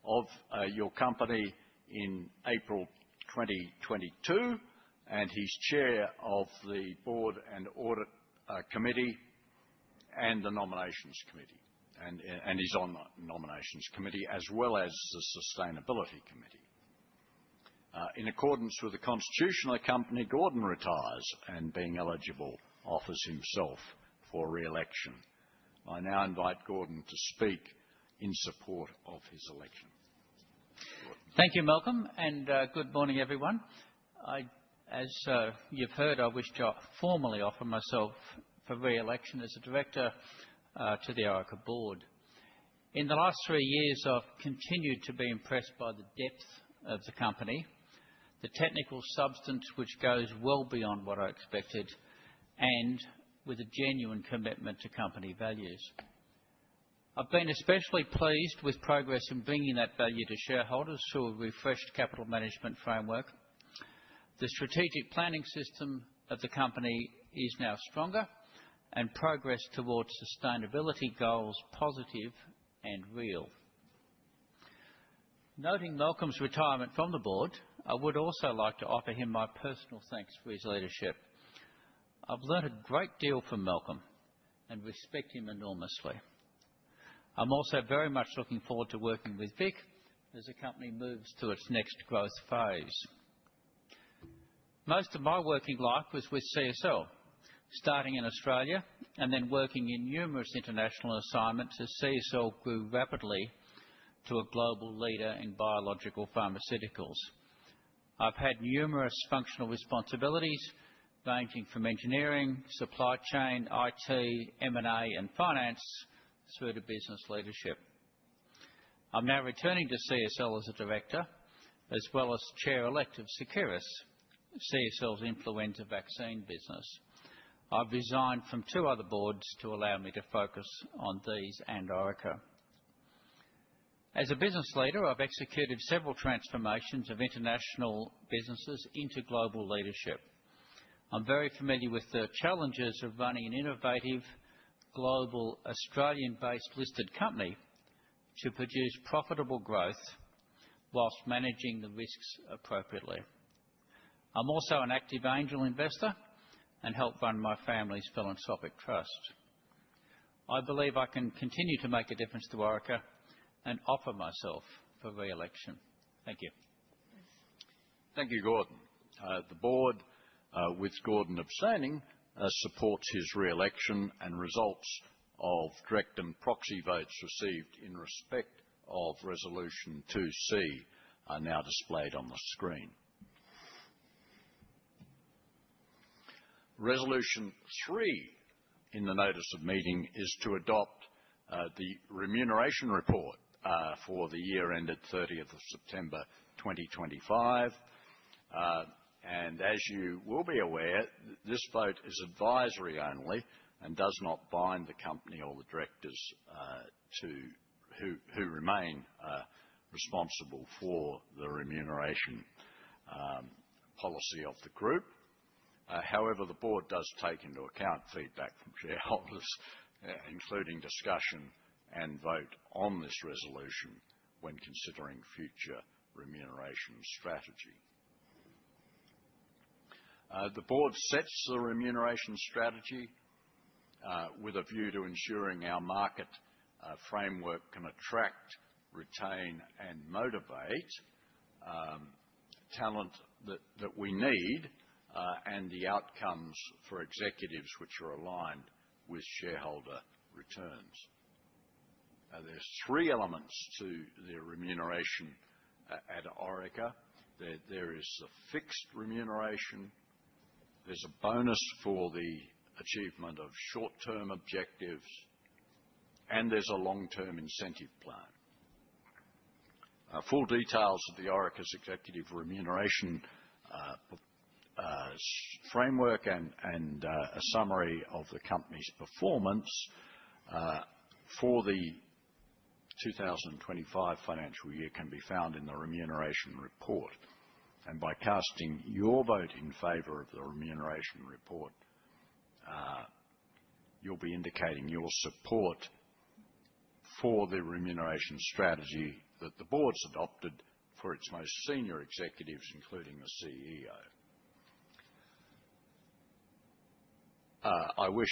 of your company in April 2022, and he's chair of the Board and Audit Committee. The Nominations Committee, and he's on the Nominations Committee as well as the sustainability committee. In accordance with the constitution of the company, Gordon retires, and being eligible, offers himself for re-election. I now invite Gordon to speak in support of his election. Gordon. Thank you, Malcolm, and good morning, everyone. As you've heard, I wish to formally offer myself for re-election as a director to the Orica Board. In the last three years, I've continued to be impressed by the depth of the company, the technical substance which goes well beyond what I expected, and with a genuine commitment to company values. The strategic planning system of the company is now stronger, and progress towards sustainability goals positive and real. Noting Malcolm's retirement from the Board, I would also like to offer him my personal thanks for his leadership. I've learned a great deal from Malcolm and respect him enormously. I'm also very much looking forward to working with Vik as the company moves to its next growth phase. Most of my working life was with CSL, starting in Australia and then working in numerous international assignments as CSL grew rapidly to a global leader in biological pharmaceuticals. I've had numerous functional responsibilities ranging from engineering, supply chain, IT, M&A, and finance, through to business leadership. I'm now returning to CSL as a director as well as chair elect of Seqirus, CSL's influenza vaccine business. I've resigned from two other boards to allow me to focus on these and Orica. As a business leader, I've executed several transformations of international businesses into global leadership. I'm very familiar with the challenges of running an innovative, global Australian-based listed company to produce profitable growth while managing the risks appropriately. I'm also an active angel investor and help run my family's philanthropic trust. I believe I can continue to make a difference to Orica and offer myself for re-election. Thank you. Thank you, Gordon. The board, with Gordon abstaining, supports his re-election, results of direct and proxy votes received in respect of Resolution 2C are now displayed on the screen. Resolution three in the notice of meeting is to adopt the remuneration report for the year ended 30th of September 2025. As you will be aware, this vote is advisory only and does not bind the company or the directors who remain responsible for the remuneration policy of the group. However, the board does take into account feedback from shareholders, including discussion and vote on this resolution when considering future remuneration strategy. The board sets the remuneration strategy with a view to ensuring our market framework can attract, retain, and motivate talent that we need and the outcomes for executives which are aligned with shareholder returns. There's three elements to the remuneration at Orica. There is a fixed remuneration, there's a bonus for the achievement of short-term objectives, and there's a long-term incentive plan. Full details of Orica's executive remuneration framework and a summary of the company's performance for the 2025 financial year can be found in the remuneration report. By casting your vote in favor of the remuneration report, you'll be indicating your support for the remuneration strategy that the board's adopted for its most senior executives, including the CEO. I wish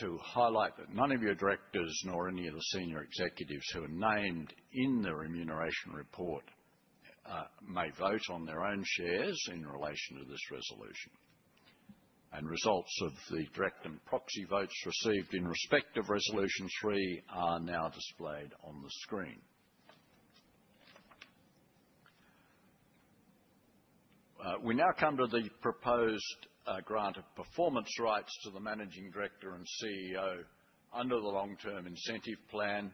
to highlight that none of your directors nor any of the senior executives who are named in the remuneration report may vote on their own shares in relation to this resolution. Results of the direct and proxy votes received in respect of Resolution three are now displayed on the screen. We now come to the proposed grant of performance rights to the managing director and CEO under the long-term incentive plan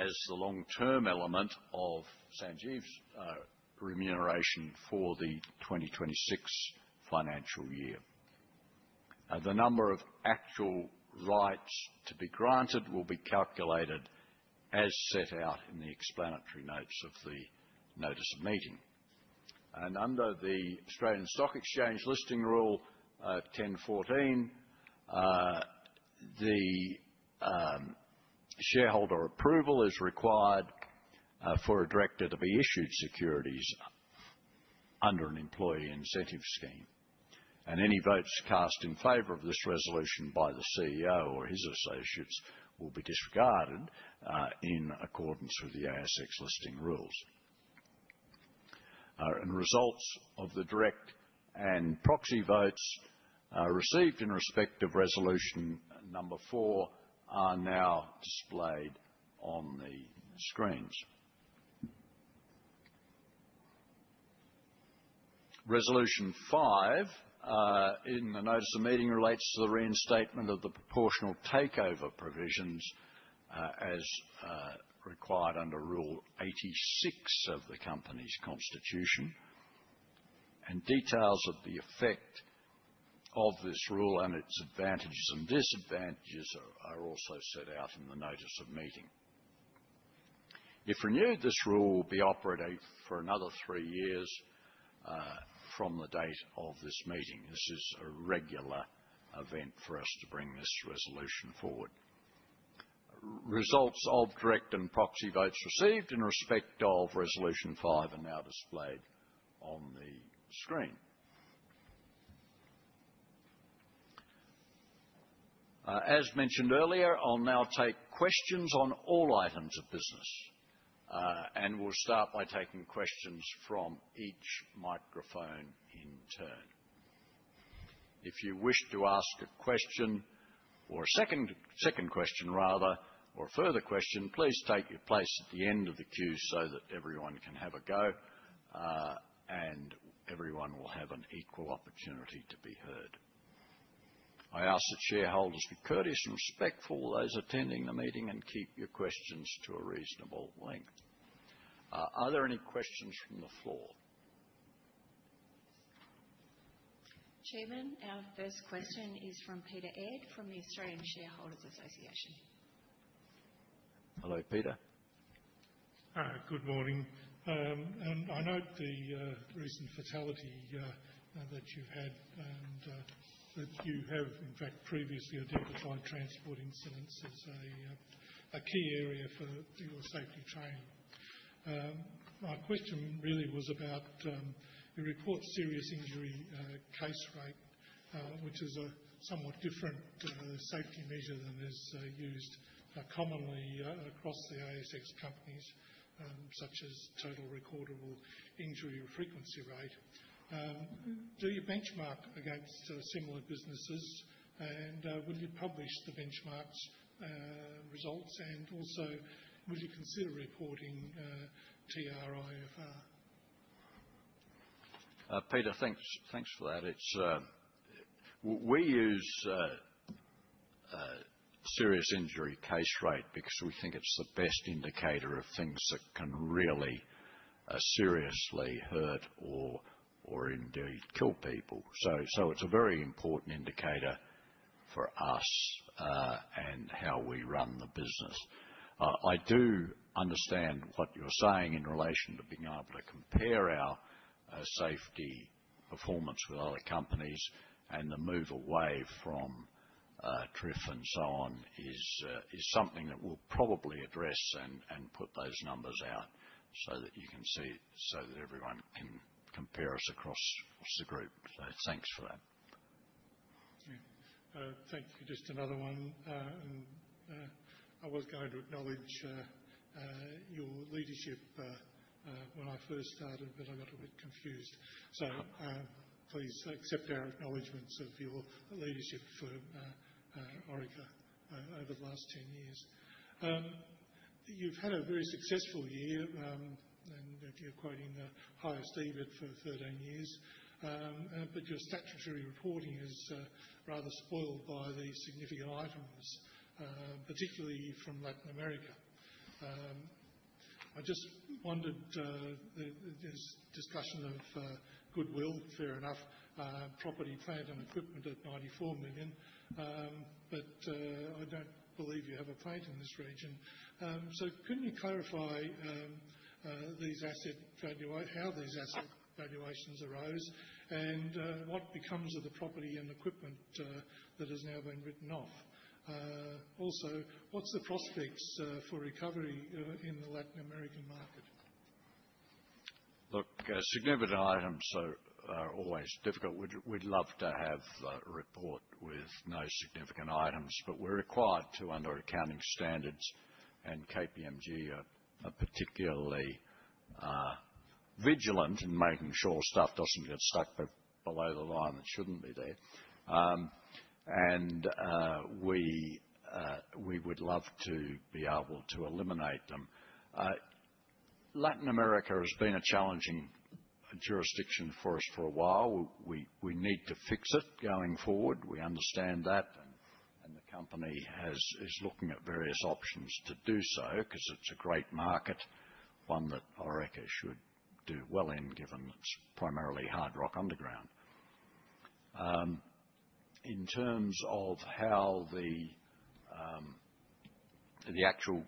as the long-term element of Sanjeev's remuneration for the 2026 financial year. The number of actual rights to be granted will be calculated as set out in the explanatory notes of the notice of meeting. Under the Australian Stock Exchange Listing Rule 10.14, Shareholder approval is required for a director to be issued securities under an employee incentive scheme. Any votes cast in favor of this resolution by the CEO or his associates will be disregarded in accordance with the ASX Listing Rules. Results of the direct and proxy votes received in respect of Resolution number 4 are now displayed on the screens. Resolution five in the notice of meeting relates to the reinstatement of the proportional takeover provisions, as required under Rule 86 of the company's constitution. Details of the effect of this rule and its advantages and disadvantages are also set out in the notice of meeting. If renewed, this rule will be operative for another three years from the date of this meeting. This is a regular event for us to bring this resolution forward. Results of direct and proxy votes received in respect of Resolution five are now displayed on the screen. As mentioned earlier, I'll now take questions on all items of business. We'll start by taking questions from each microphone in turn. If you wish to ask a question or a second question, rather, or a further question, please take your place at the end of the queue so that everyone can have a go, and everyone will have an equal opportunity to be heard. I ask that shareholders be courteous and respectful to all those attending the meeting and keep your questions to a reasonable length. Are there any questions from the floor? Chairman, our first question is from Peter Aird from the Australian Shareholders' Association. Hello, Peter. Hi. Good morning. I note the recent fatality that you've had and that you have, in fact, previously identified transport incidents as a key area for your safety training. My question really was about the reported serious injury case rate, which is a somewhat different safety measure than is used commonly across the ASX companies, such as total recordable injury frequency rate. Do you benchmark against similar businesses, and will you publish the benchmarks results? Also, would you consider reporting TRIFR? Peter, thanks for that. We use serious injury case rate because we think it's the best indicator of things that can really seriously hurt or indeed kill people. It's a very important indicator for us and how we run the business. I do understand what you're saying in relation to being able to compare our safety performance with other companies and the move away from TRIFR and so on is something that we'll probably address and put those numbers out so that you can see, so that everyone can compare us across the group. Thanks for that. Yeah. Thank you. Just another one. I was going to acknowledge your leadership when I first started, I got a bit confused. Please accept our acknowledgments of your leadership for Orica over the last 10 years. You've had a very successful year, you're quoting the highest EBIT for 13 years. Your statutory reporting is rather spoiled by the significant items, particularly from Latin America. I just wondered, there's discussion of goodwill, fair enough, property, plant, and equipment at 94 million. I don't believe you have a plant in this region. Can you clarify how these asset valuations arose and what becomes of the property and equipment that has now been written off? Also, what's the prospects for recovery in the Latin American market? Look, significant items are always difficult. We'd love to have a report with no significant items, we're required to under accounting standards, KPMG are particularly vigilant in making sure stuff doesn't get stuck below the line that shouldn't be there. We would love to be able to eliminate them. Latin America has been a challenging jurisdiction for us for a while. We need to fix it going forward. We understand that, the company is looking at various options to do so because it's a great market, one that Orica should do well in given it's primarily hard rock underground. In terms of how the actual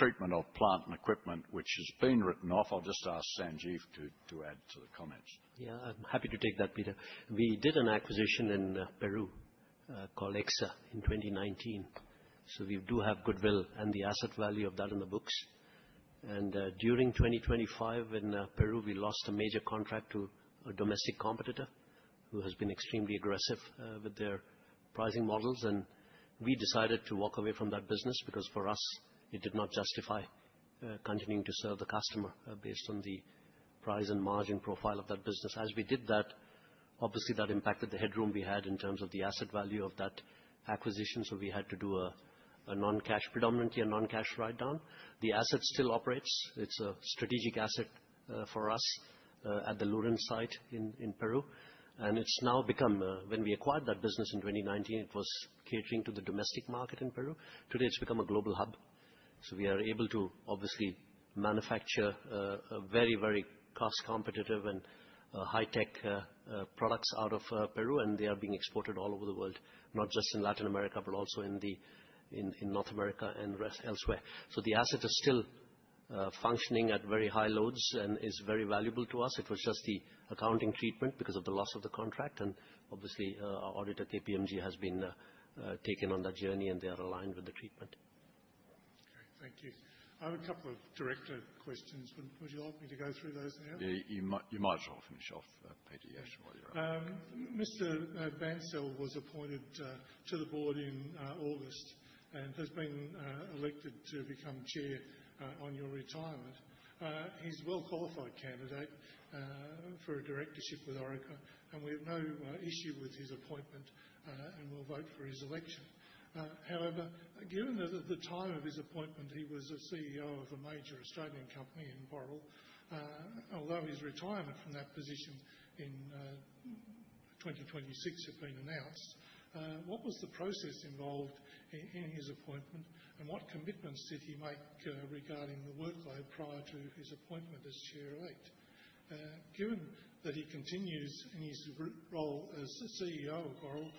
Treatment of plant and equipment, which has been written off. I'll just ask Sanjeev to add to the comments. Yeah, I'm happy to take that, Peter. We did an acquisition in Peru called Exsa in 2019. We do have goodwill and the asset value of that on the books. During 2025 in Peru, we lost a major contract to a domestic competitor who has been extremely aggressive with their pricing models, we decided to walk away from that business because for us it did not justify continuing to serve the customer based on the price and margin profile of that business. As we did that, obviously that impacted the headroom we had in terms of the asset value of that acquisition. We had to do a non-cash, predominantly a non-cash write-down. The asset still operates. It's a strategic asset for us at the Lurín site in Peru. When we acquired that business in 2019, it was catering to the domestic market in Peru. Today, it's become a global hub. We are able to obviously manufacture very cost competitive and high tech products out of Peru, and they are being exported all over the world, not just in Latin America, but also in North America and elsewhere. The asset is still functioning at very high loads and is very valuable to us. It was just the accounting treatment because of the loss of the contract and obviously our auditor, KPMG, has been taken on that journey, and they are aligned with the treatment. Okay, thank you. I have a couple of director questions. Would you like me to go through those now? Yeah, you might as well finish off, Peter, yes, while you're up. Mr. Bansal was appointed to the board in August and has been elected to become chair on your retirement. He's a well-qualified candidate for a directorship with Orica, and we have no issue with his appointment, and we'll vote for his election. Given that at the time of his appointment, he was a CEO of a major Australian company in Boral, although his retirement from that position in 2026 had been announced, what was the process involved in his appointment, and what commitments did he make regarding the workload prior to his appointment as chair elect? Given that he continues in his role as the CEO of Boral,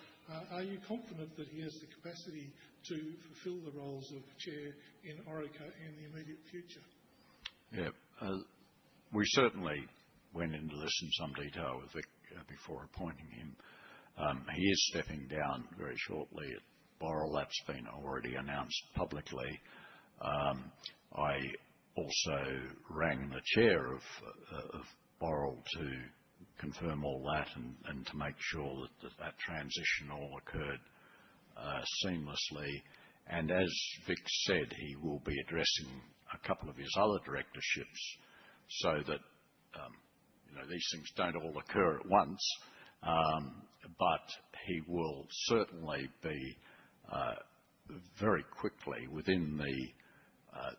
are you confident that he has the capacity to fulfill the roles of chair in Orica in the immediate future? We certainly went into this in some detail with Vik before appointing him. He is stepping down very shortly at Boral. That's been already announced publicly. I also rang the chair of Boral to confirm all that and to make sure that transition all occurred seamlessly. As Vik said, he will be addressing a couple of his other directorships so that these things don't all occur at once. He will certainly be very quickly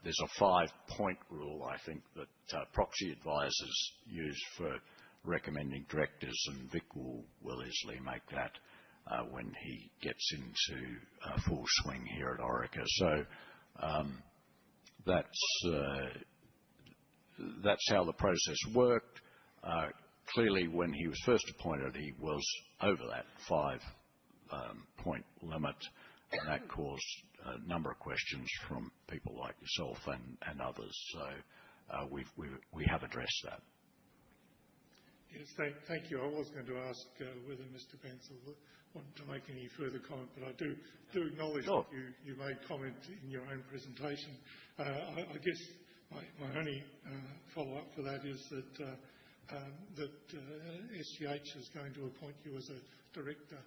There's a five-point rule, I think, that proxy advisors use for recommending directors, and Vik will easily make that when he gets into full swing here at Orica. That's how the process worked. When he was first appointed, he was over that five-point limit, and that caused a number of questions from people like yourself and others. We have addressed that. Yes. Thank you. I was going to ask whether Mr. Bansal wanted to make any further comment, I do acknowledge. Sure You made comment in your own presentation. My only follow-up to that is that SGH is going to appoint you as a director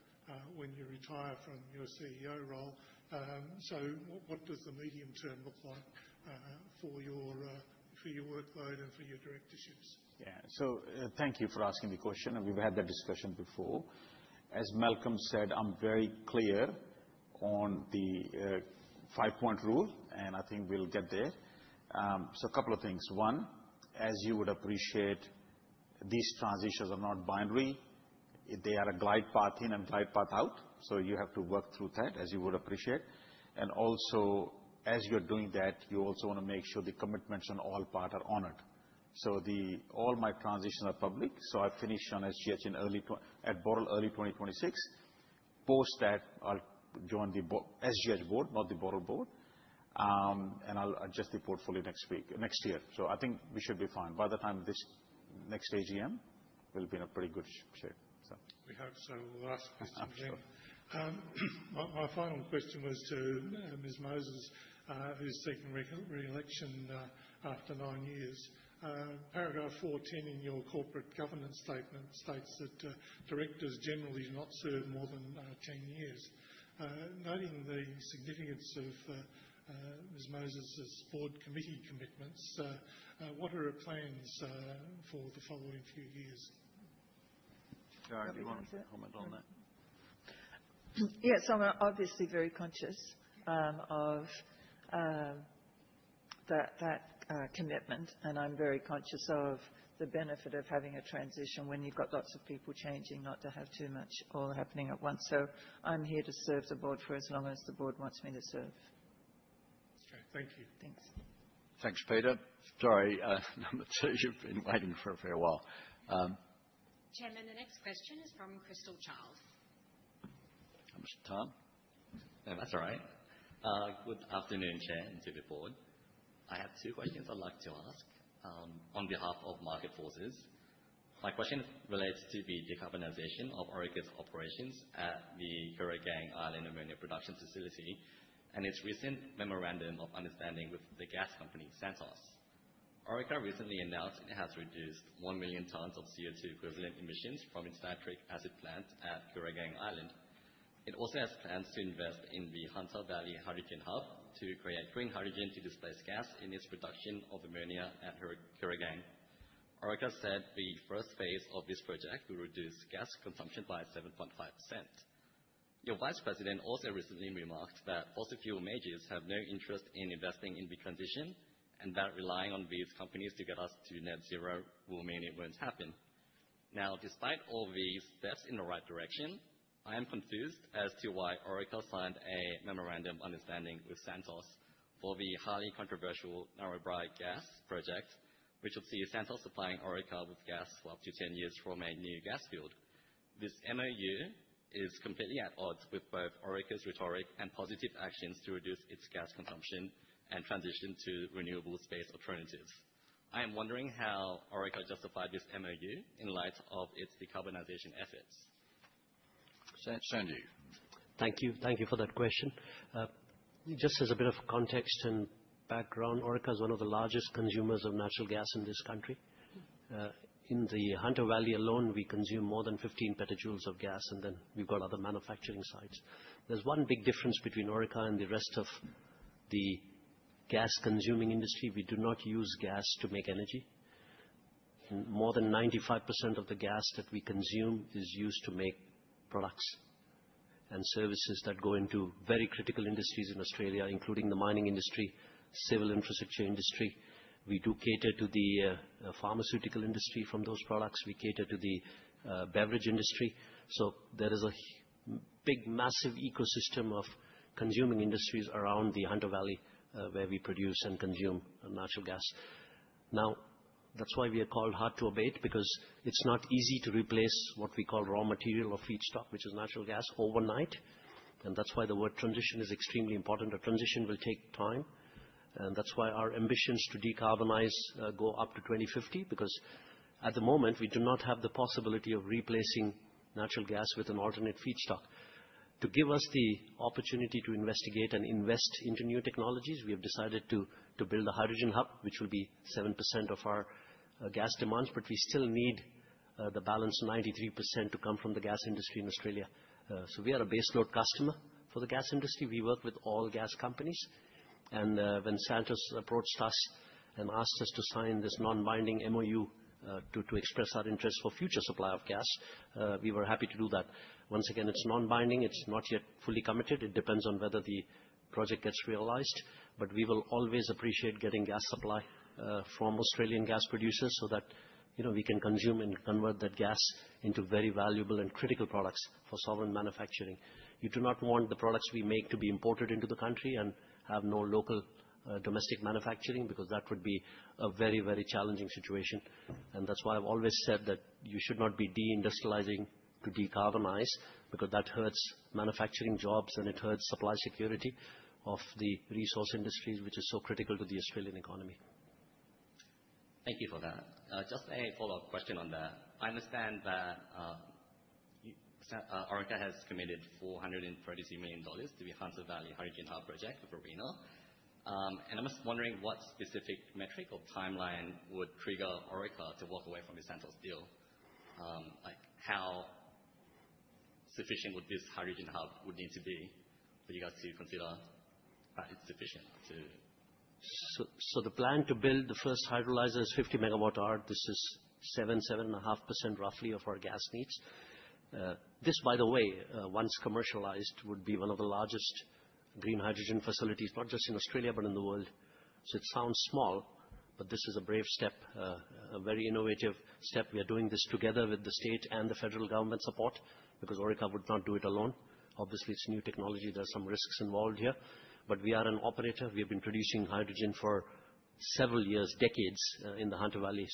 when you retire from your CEO role. What does the medium term look like for your workload and for your directorships? Thank you for asking the question, we've had that discussion before. As Malcolm said, I'm very clear on the five-point rule, I think we'll get there. A couple of things. One, as you would appreciate, these transitions are not binary. They are a glide path in and glide path out. You have to work through that as you would appreciate. Also, as you're doing that, you also want to make sure the commitments on all parts are honored. All my transitions are public. I finish on SGH at Boral early 2026. Post that, I'll join the SGH board, not the Boral board. I'll adjust the portfolio next year. I think we should be fine. By the time of this next AGM, we'll be in a pretty good shape. We hope so. Last question. I'm sure. My final question was to Ms. Moses, who's seeking re-election after nine years. Paragraph 410 in your corporate governance statement states that directors generally do not serve more than 10 years. Noting the significance of Ms. Moses' board committee commitments, what are her plans for the following few years? So, do you want to comment on that? Yes. I'm obviously very conscious of that commitment, and I'm very conscious of the benefit of having a transition when you've got lots of people changing, not to have too much all happening at once. I'm here to serve the board for as long as the board wants me to serve. That's great. Thank you. Thanks. Thanks, Peter. Sorry, number 2, you've been waiting for a fair while. Chairman, the next question is from Crystal Childs. How much time? No, that's all right. Good afternoon, Chair and Board. I have two questions I'd like to ask on behalf of Market Forces. My question relates to the decarbonization of Orica's operations at the Kooragang Island ammonia production facility and its recent Memorandum of Understanding with the gas company, Santos. Orica recently announced it has reduced 1 million tons of CO2 equivalent emissions from its nitric acid plant at Kooragang Island. It also has plans to invest in the Hunter Valley Hydrogen Hub to create green hydrogen to displace gas in its production of ammonia at Kooragang. Orica said the first phase of this project will reduce gas consumption by 7.5%. Your vice president also recently remarked that fossil fuel majors have no interest in investing in the transition, that relying on these companies to get us to net zero will mean it won't happen. Despite all these steps in the right direction, I am confused as to why Orica signed a Memorandum of Understanding with Santos for the highly controversial Narrabri gas project, which will see Santos supplying Orica with gas for up to 10 years from a new gas field. This MoU is completely at odds with both Orica's rhetoric and positive actions to reduce its gas consumption and transition to renewable space alternatives. I am wondering how Orica justified this MoU in light of its decarbonization efforts. Sanjeev? Thank you for that question. As a bit of context and background, Orica is one of the largest consumers of natural gas in this country. In the Hunter Valley alone, we consume more than 15 petajoules of gas, we've got other manufacturing sites. There's one big difference between Orica and the rest of the gas-consuming industry. We do not use gas to make energy. More than 95% of the gas that we consume is used to make products and services that go into very critical industries in Australia, including the mining industry, civil infrastructure industry. We do cater to the pharmaceutical industry from those products. We cater to the beverage industry. There is a big, massive ecosystem of consuming industries around the Hunter Valley, where we produce and consume natural gas. That's why we are called hard-to-abate because it's not easy to replace what we call raw material or feedstock, which is natural gas, overnight. That's why the word transition is extremely important. A transition will take time, that's why our ambitions to decarbonize go up to 2050 because at the moment, we do not have the possibility of replacing natural gas with an alternate feedstock. To give us the opportunity to investigate and invest into new technologies, we have decided to build a hydrogen hub, which will be 7% of our gas demands, we still need the balance 93% to come from the gas industry in Australia. We are a baseload customer for the gas industry. We work with all gas companies. When Santos approached us and asked us to sign this non-binding MoU to express our interest for future supply of gas, we were happy to do that. Once again, it's non-binding. It's not yet fully committed. It depends on whether the project gets realized. We will always appreciate getting gas supply from Australian gas producers so that we can consume and convert that gas into very valuable and critical products for sovereign manufacturing. You do not want the products we make to be imported into the country and have no local domestic manufacturing because that would be a very challenging situation. That's why I've always said that you should not be deindustrializing to decarbonize because that hurts manufacturing jobs and it hurts supply security of the resource industries, which is so critical to the Australian economy. Thank you for that. Just a follow-up question on that. I understand that Orica has committed 430 million dollars to the Hunter Valley Hydrogen Hub project with ARENA. I'm just wondering what specific metric or timeline would trigger Orica to walk away from the Santos deal. How sufficient would this hydrogen hub would need to be for you guys to consider that it's sufficient to- The plan to build the first hydrolyzer is 50 MW. This is 7.5% roughly of our gas needs. This, by the way, once commercialized, would be one of the largest green hydrogen facilities, not just in Australia, but in the world. It sounds small, but this is a brave step, a very innovative step. We are doing this together with the state and the federal government support because Orica would not do it alone. Obviously, it's new technology. There are some risks involved here. We are an operator. We have been producing hydrogen for several years, decades, in the Hunter Valley.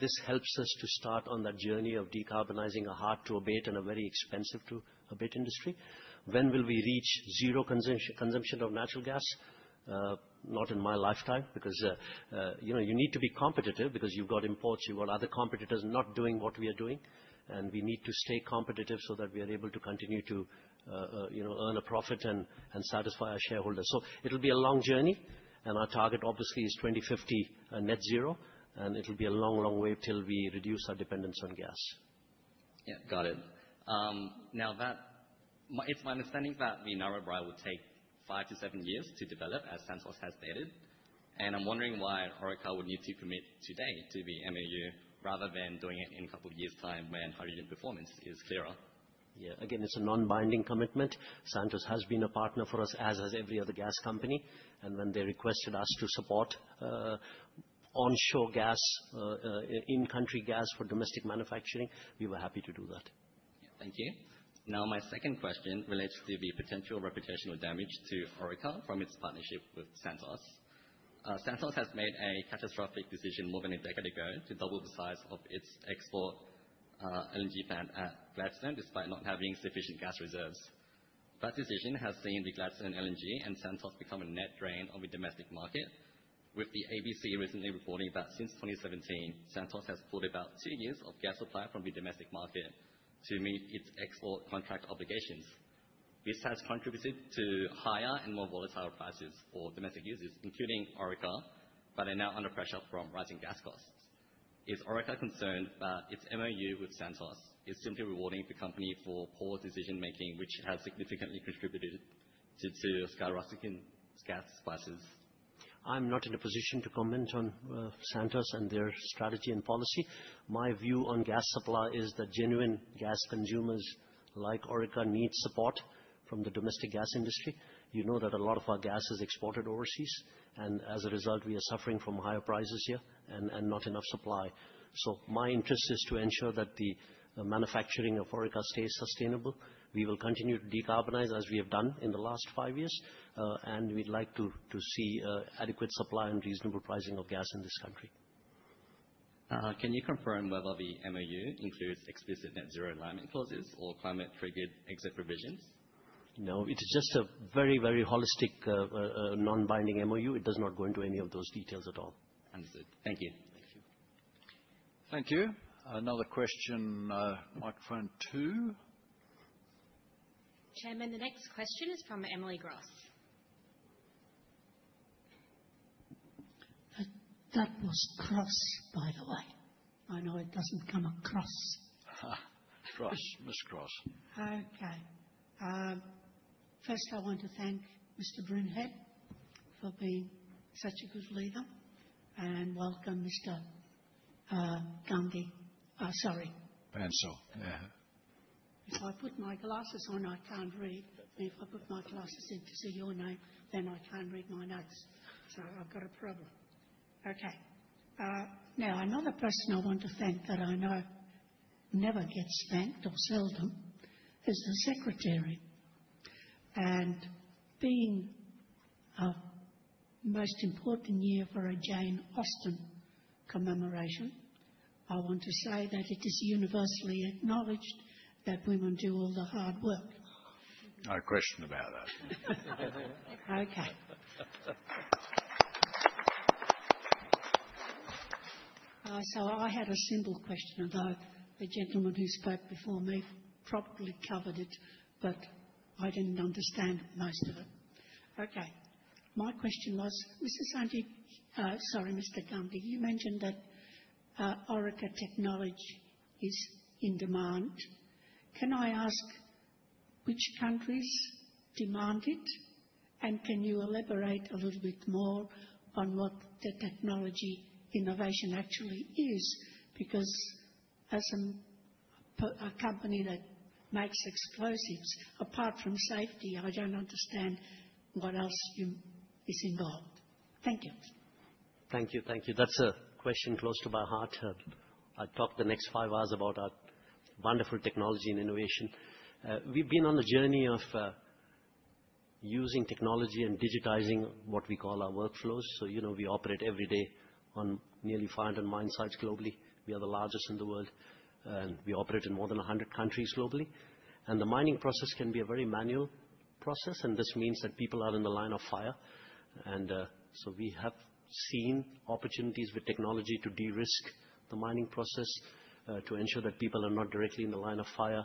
This helps us to start on that journey of decarbonizing a hard-to-abate and a very expensive-to-abate industry. When will we reach zero consumption of natural gas? Not in my lifetime because you need to be competitive because you've got imports, you've got other competitors not doing what we are doing, and we need to stay competitive so that we are able to continue to earn a profit and satisfy our shareholders. It'll be a long journey, and our target obviously is 2050 net zero, and it'll be a long way till we reduce our dependence on gas. Got it. It's my understanding that the Narrabri will take five to seven years to develop, as Santos has stated. I'm wondering why Orica would need to commit today to the MoU rather than doing it in a couple of years' time when hydrogen performance is clearer. Again, it's a non-binding commitment. Santos has been a partner for us, as has every other gas company. When they requested us to support onshore gas, in-country gas for domestic manufacturing, we were happy to do that. Thank you. My second question relates to the potential reputational damage to Orica from its partnership with Santos. Santos has made a catastrophic decision more than a decade ago to double the size of its export LNG plant at Gladstone, despite not having sufficient gas reserves. That decision has seen the Gladstone LNG and Santos become a net drain on the domestic market, with the ABC recently reporting that since 2017, Santos has pulled about two years of gas supply from the domestic market to meet its export contract obligations. This has contributed to higher and more volatile prices for domestic users, including Orica, that are now under pressure from rising gas costs. Is Orica concerned that its MoU with Santos is simply rewarding the company for poor decision-making, which has significantly contributed to skyrocketing gas prices? I'm not in a position to comment on Santos and their strategy and policy. My view on gas supply is that genuine gas consumers like Orica need support from the domestic gas industry. You know that a lot of our gas is exported overseas. As a result, we are suffering from higher prices here and not enough supply. My interest is to ensure that the manufacturing of Orica stays sustainable. We will continue to decarbonize as we have done in the last five years. We'd like to see adequate supply and reasonable pricing of gas in this country. Can you confirm whether the MoU includes explicit net zero alignment clauses or climate-triggered exit provisions? No. It is just a very holistic, non-binding MoU. It does not go into any of those details at all. Understood. Thank you. Thank you. Thank you. Another question, microphone two. Chairman, the next question is from Emily Cross. That was Cross, by the way. I know it doesn't come across. Cross. Ms. Cross. Okay. First, I want to thank Mr. Broomhead for being such a good leader. Welcome Mr. Bansal. Sorry. Bansal. Yeah. If I put my glasses on, I can't read. If I put my glasses in to see your name, then I can't read my notes. I've got a problem. Okay. Another person I want to thank that I know never gets thanked, or seldom, is the secretary. Being a most important year for a Jane Austen commemoration, I want to say that it is universally acknowledged that women do all the hard work. No question about that. I had a simple question, although the gentleman who spoke before me probably covered it, but I didn't understand most of it. My question was, Mr. Gandhi, you mentioned that Orica technology is in demand. Can I ask which countries demand it? Can you elaborate a little bit more on what the technology innovation actually is? Because as a company that makes explosives, apart from safety, I don't understand what else is involved. Thank you. Thank you. That's a question close to my heart. I'd talk the next five hours about our wonderful technology and innovation. We've been on the journey of using technology and digitizing what we call our workflows. You know, we operate every day on nearly 500 mine sites globally. We are the largest in the world. We operate in more than 100 countries globally. The mining process can be a very manual process, and this means that people are in the line of fire. We have seen opportunities with technology to de-risk the mining process, to ensure that people are not directly in the line of fire.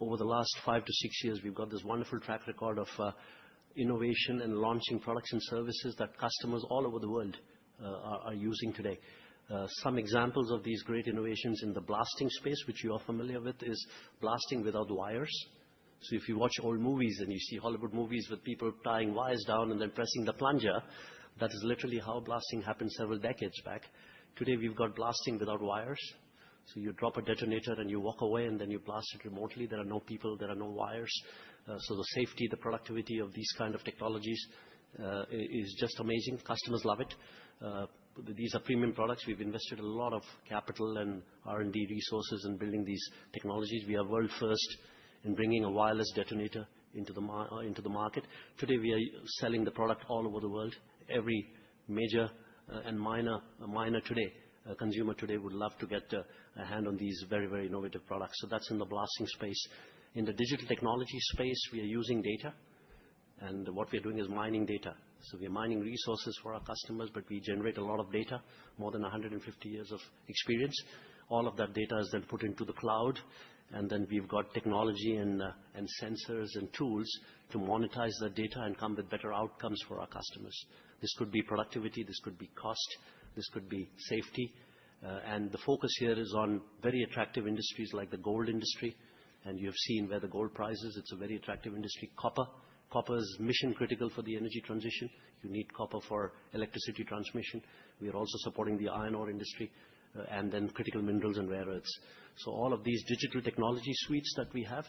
Over the last five to six years, we've got this wonderful track record of innovation and launching products and services that customers all over the world are using today. Some examples of these great innovations in the blasting space, which you are familiar with, is blasting without wires. If you watch old movies and you see Hollywood movies with people tying wires down and then pressing the plunger, that is literally how blasting happened several decades back. Today, we've got blasting without wires. You drop a detonator and you walk away, and then you blast it remotely. There are no people. There are no wires. The safety, the productivity of these kind of technologies, is just amazing. Customers love it. These are premium products. We've invested a lot of capital and R&D resources in building these technologies. We are world first in bringing a wireless detonator into the market. Today, we are selling the product all over the world. Every major and minor consumer today would love to get a hand on these very innovative products. That's in the blasting space. In the Digital Technology space, we are using data, and what we are doing is mining data. We are mining resources for our customers, but we generate a lot of data, more than 150 years of experience. All of that data is then put into the cloud, and then we've got technology and sensors and tools to monetize that data and come with better outcomes for our customers. This could be productivity, this could be cost, this could be safety. The focus here is on very attractive industries like the gold industry. You've seen where the gold price is. It's a very attractive industry. Copper. Copper is mission-critical for the energy transition. You need copper for electricity transmission. We are also supporting the iron ore industry, and then critical minerals and rare earths. All of these digital technology suites that we have,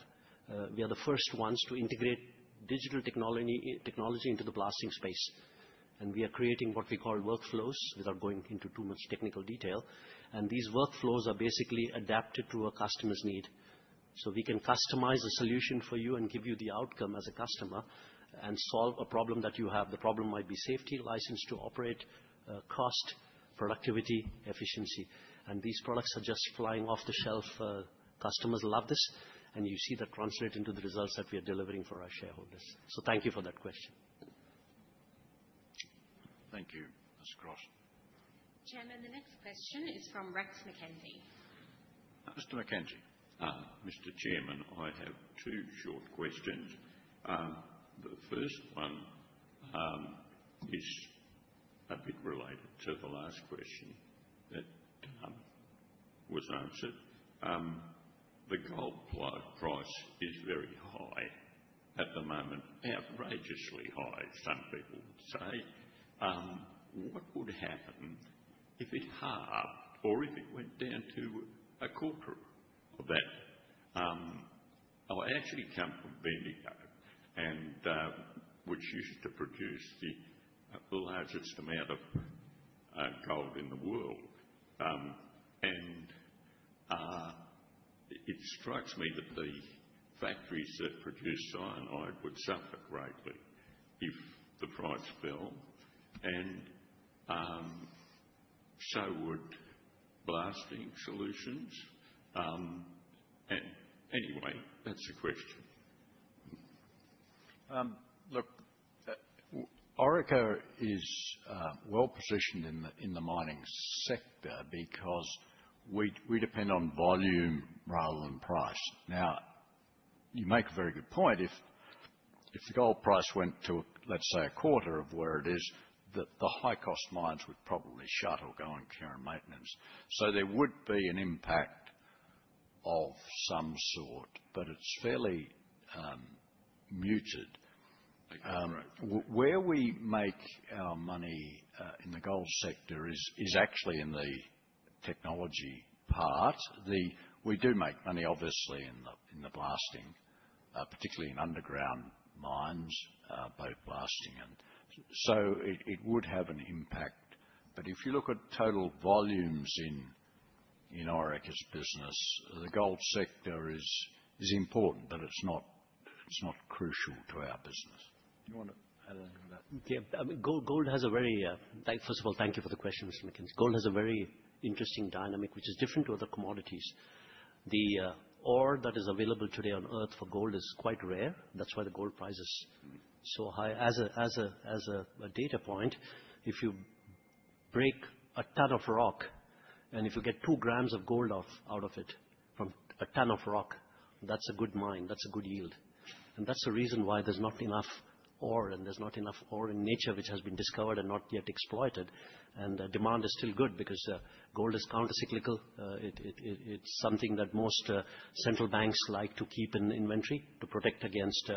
we are the first ones to integrate digital technology into the blasting space. We are creating what we call workflows, without going into too much technical detail. These workflows are basically adapted to a customer's need. We can customize a solution for you and give you the outcome as a customer and solve a problem that you have. The problem might be safety, license to operate, cost, productivity, efficiency. These products are just flying off the shelf. Customers love this, and you see that translate into the results that we are delivering for our shareholders. Thank you for that question. Thank you. Ms. Cross. Chairman, the next question is from Rex McKenzie. Mr. McKenzie. Mr. Chairman, I have two short questions. The first one is a bit related to the last question that was answered. The gold price is very high at the moment. Outrageously high, some people would say. What would happen if it halved or if it went down to a quarter of that? I actually come from Bendigo, which used to produce the largest amount of gold in the world. It strikes me that the factories that produce cyanide would suffer greatly if the price fell, and so would Blasting Solutions. That's the question. Orica is well-positioned in the mining sector because we depend on volume rather than price. You make a very good point. If the gold price went to, let's say, a quarter of where it is, the high-cost mines would probably shut or go on care and maintenance. There would be an impact of some sort. It's fairly muted. Great. Where we make our money in the gold sector is actually in the technology part. We do make money, obviously, in the blasting, particularly in underground mines. It would have an impact. If you look at total volumes in Orica's business, the gold sector is important. It's not crucial to our business. Do you want to add anything to that? First of all, thank you for the question, Mr. McKenzie. Gold has a very interesting dynamic, which is different to other commodities. The ore that is available today on Earth for gold is quite rare. That's why the gold price is so high. As a data point, if you break a ton of rock and if you get two grams of gold out of it, from a ton of rock, that's a good mine. That's a good yield. That's the reason why there's not enough ore and there's not enough ore in nature which has been discovered and not yet exploited. The demand is still good because gold is counter-cyclical. It's something that most central banks like to keep in inventory to protect against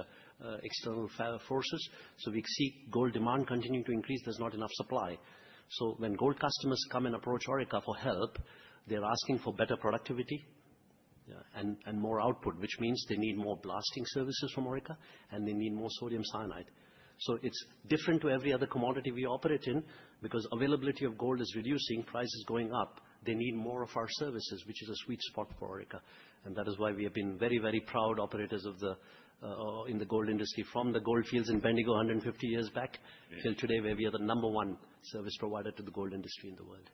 external forces. We see gold demand continuing to increase. There's not enough supply. When gold customers come and approach Orica for help, they're asking for better productivity and more output. This means they need more blasting services from Orica, and they need more sodium cyanide. It's different to every other commodity we operate in because availability of gold is reducing, price is going up. They need more of our services, which is a sweet spot for Orica. That is why we have been very proud operators in the gold industry, from the gold fields in Bendigo 150 years back till today, where we are the number one service provider to the gold industry in the world.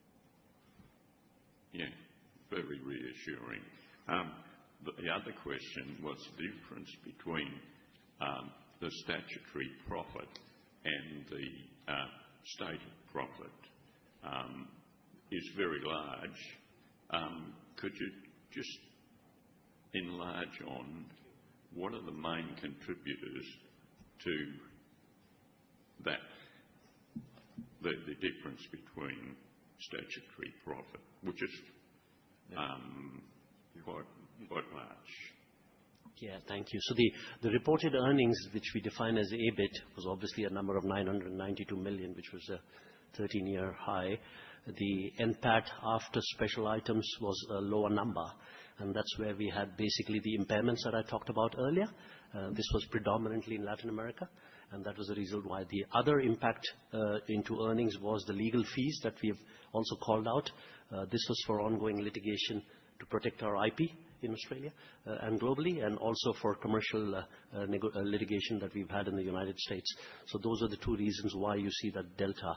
Very reassuring. The other question was the difference between the statutory profit and the stated profit is very large. Could you just enlarge on what are the main contributors to the difference between statutory profit, which is quite large? Thank you. The reported earnings, which we define as EBIT, was obviously a number of 992 million, which was a 13-year high. The NPAT after special items was a lower number, and that's where we had basically the impairments that I talked about earlier. This was predominantly in Latin America. That was the reason why. The other impact into earnings was the legal fees that we've also called out. This was for ongoing litigation to protect our IP in Australia and globally, and also for commercial litigation that we've had in the U.S. Those are the two reasons why you see that delta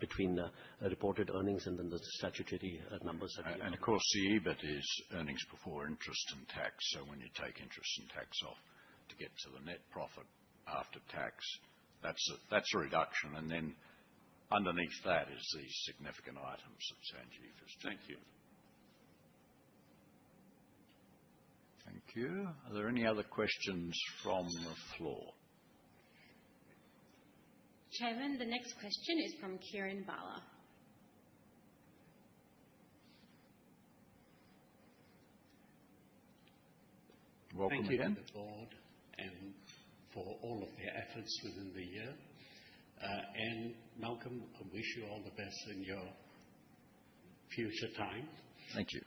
between the reported earnings and then the statutory numbers that we announced. Of course, the EBIT is earnings before interest and tax. When you take interest and tax off to get to the net profit after tax, that's a reduction. Then underneath that is the significant items that Sanjeev has taken. Thank you. Thank you. Are there any other questions from the floor? Chairman, the next question is from Kiran Bala. Welcome again. Thank you to the board and for all of your efforts within the year. Malcolm, I wish you all the best in your future time. Thank you.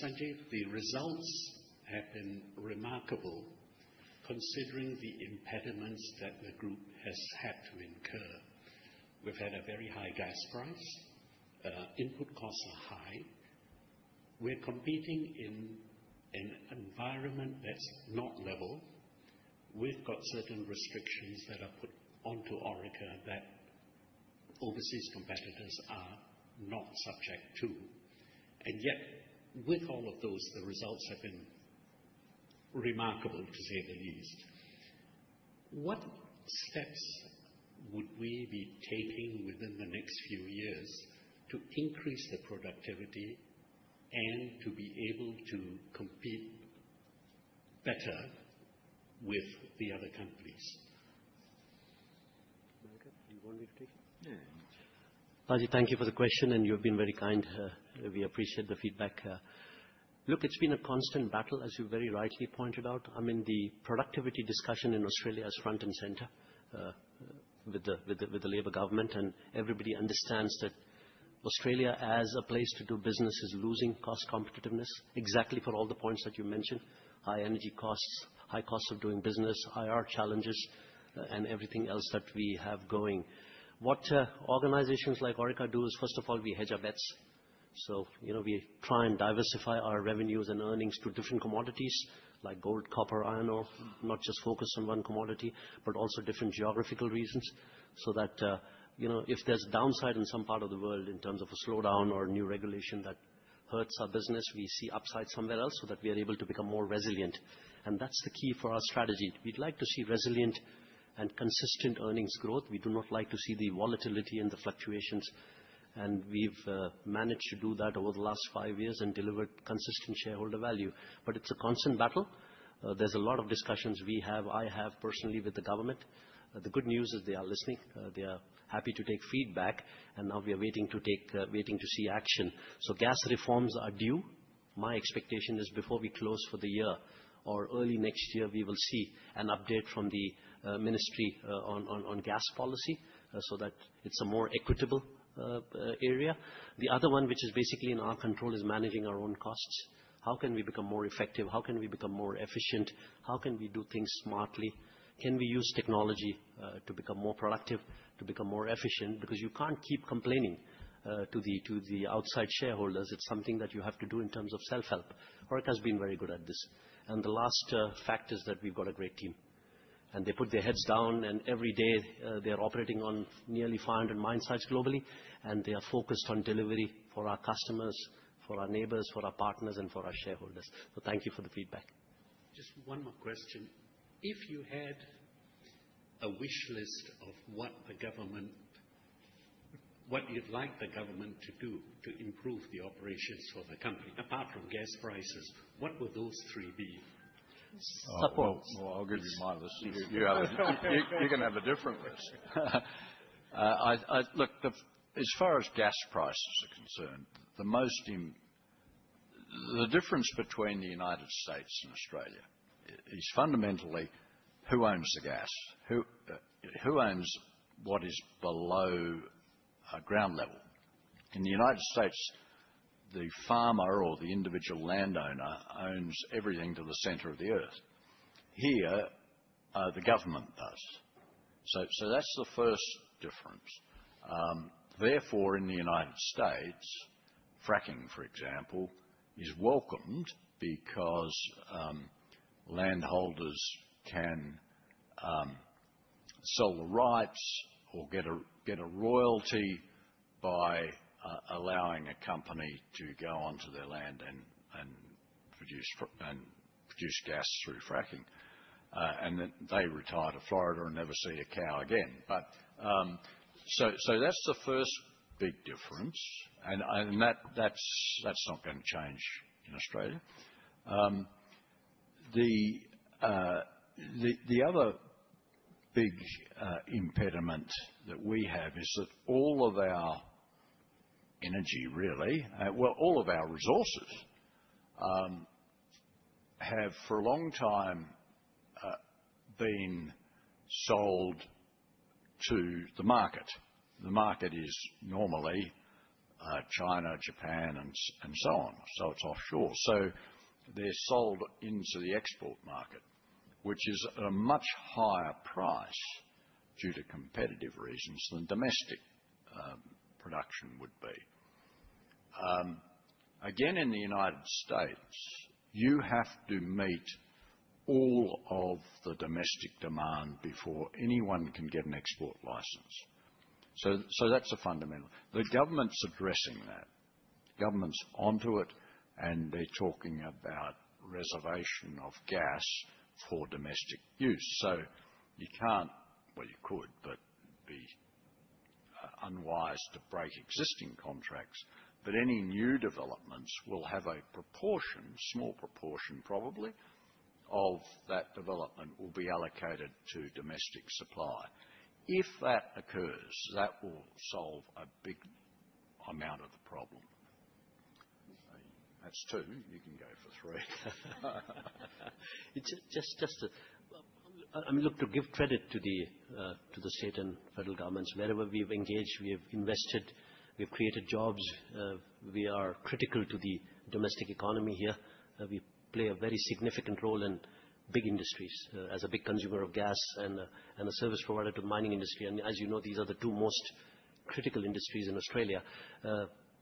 Sanjeev, the results have been remarkable considering the impediments that the group has had to incur. We've had a very high gas price. Input costs are high. We're competing in an environment that's not level. We've got certain restrictions that are put onto Orica that overseas competitors are not subject to. Yet, with all of those, the results have been remarkable, to say the least. What steps would we be taking within the next few years to increase the productivity and to be able to compete better with the other companies? Malcolm, do you want me to take it? No. Ajit, thank you for the question. You've been very kind. We appreciate the feedback. Look, it's been a constant battle, as you very rightly pointed out. I mean, the productivity discussion in Australia is front and center, with the labor government. Everybody understands that Australia as a place to do business, is losing cost competitiveness exactly for all the points that you mentioned. High energy costs, high costs of doing business, IR challenges, and everything else that we have going. What organizations like Orica do is, first of all, we hedge our bets. We try and diversify our revenues and earnings to different commodities like gold, copper, iron ore. Not just focus on one commodity, but also different geographical regions, so that if there's downside in some part of the world in terms of a slowdown or a new regulation that hurts our business, we see upside somewhere else so that we are able to become more resilient. That's the key for our strategy. We'd like to see resilient and consistent earnings growth. We do not like to see the volatility and the fluctuations. We've managed to do that over the last five years and delivered consistent shareholder value. It's a constant battle. There's a lot of discussions we have, I have personally with the government. The good news is they are listening. They are happy to take feedback. Now we are waiting to see action. Gas reforms are due. My expectation is before we close for the year or early next year, we will see an update from the ministry on gas policy so that it's a more equitable area. The other one, which is basically in our control, is managing our own costs. How can we become more effective? How can we become more efficient? How can we do things smartly? Can we use technology to become more productive, to become more efficient? You can't keep complaining to the outside shareholders. It's something that you have to do in terms of self-help. Orica's been very good at this. The last fact is that we've got a great team. They put their heads down, and every day they're operating on nearly 500 mine sites globally. They are focused on delivery for our customers, for our neighbors, for our partners, and for our shareholders. Thank you for the feedback. Just one more question. If you had a wish list of what you'd like the government to do to improve the operations for the company, apart from gas prices, what would those three be? Well, I'll give you my list. You can have a different list. Look, as far as gas prices are concerned, the difference between the United States and Australia is fundamentally who owns the gas. Who owns what is below ground level. In the United States, the farmer or the individual landowner owns everything to the center of the Earth. Here, the government does. That's the first difference. Then they retire to Florida and never see a cow again. That's the first big difference. That's not going to change in Australia. The other big impediment that we have is that all of our energy really, well, all of our resources, have for a long time been sold to the market. The market is normally China, Japan, and so on. It's offshore. They're sold into the export market, which is at a much higher price due to competitive reasons than domestic production would be. Again, in the United States, you have to meet all of the domestic demand before anyone can get an export license. That's a fundamental. The government's addressing that. The government's onto it, and they're talking about reservation of gas for domestic use. You can't, well, you could, but it'd be unwise to break existing contracts. Any new developments will have a proportion, small proportion probably, of that development will be allocated to domestic supply. If that occurs, that will solve a big amount of the problem. That's two. You can go for three. Look, to give credit to the state and federal governments, wherever we have engaged, we have invested, we have created jobs. We are critical to the domestic economy here. We play a very significant role in big industries, as a big consumer of gas and a service provider to mining industry. As you know, these are the two most critical industries in Australia.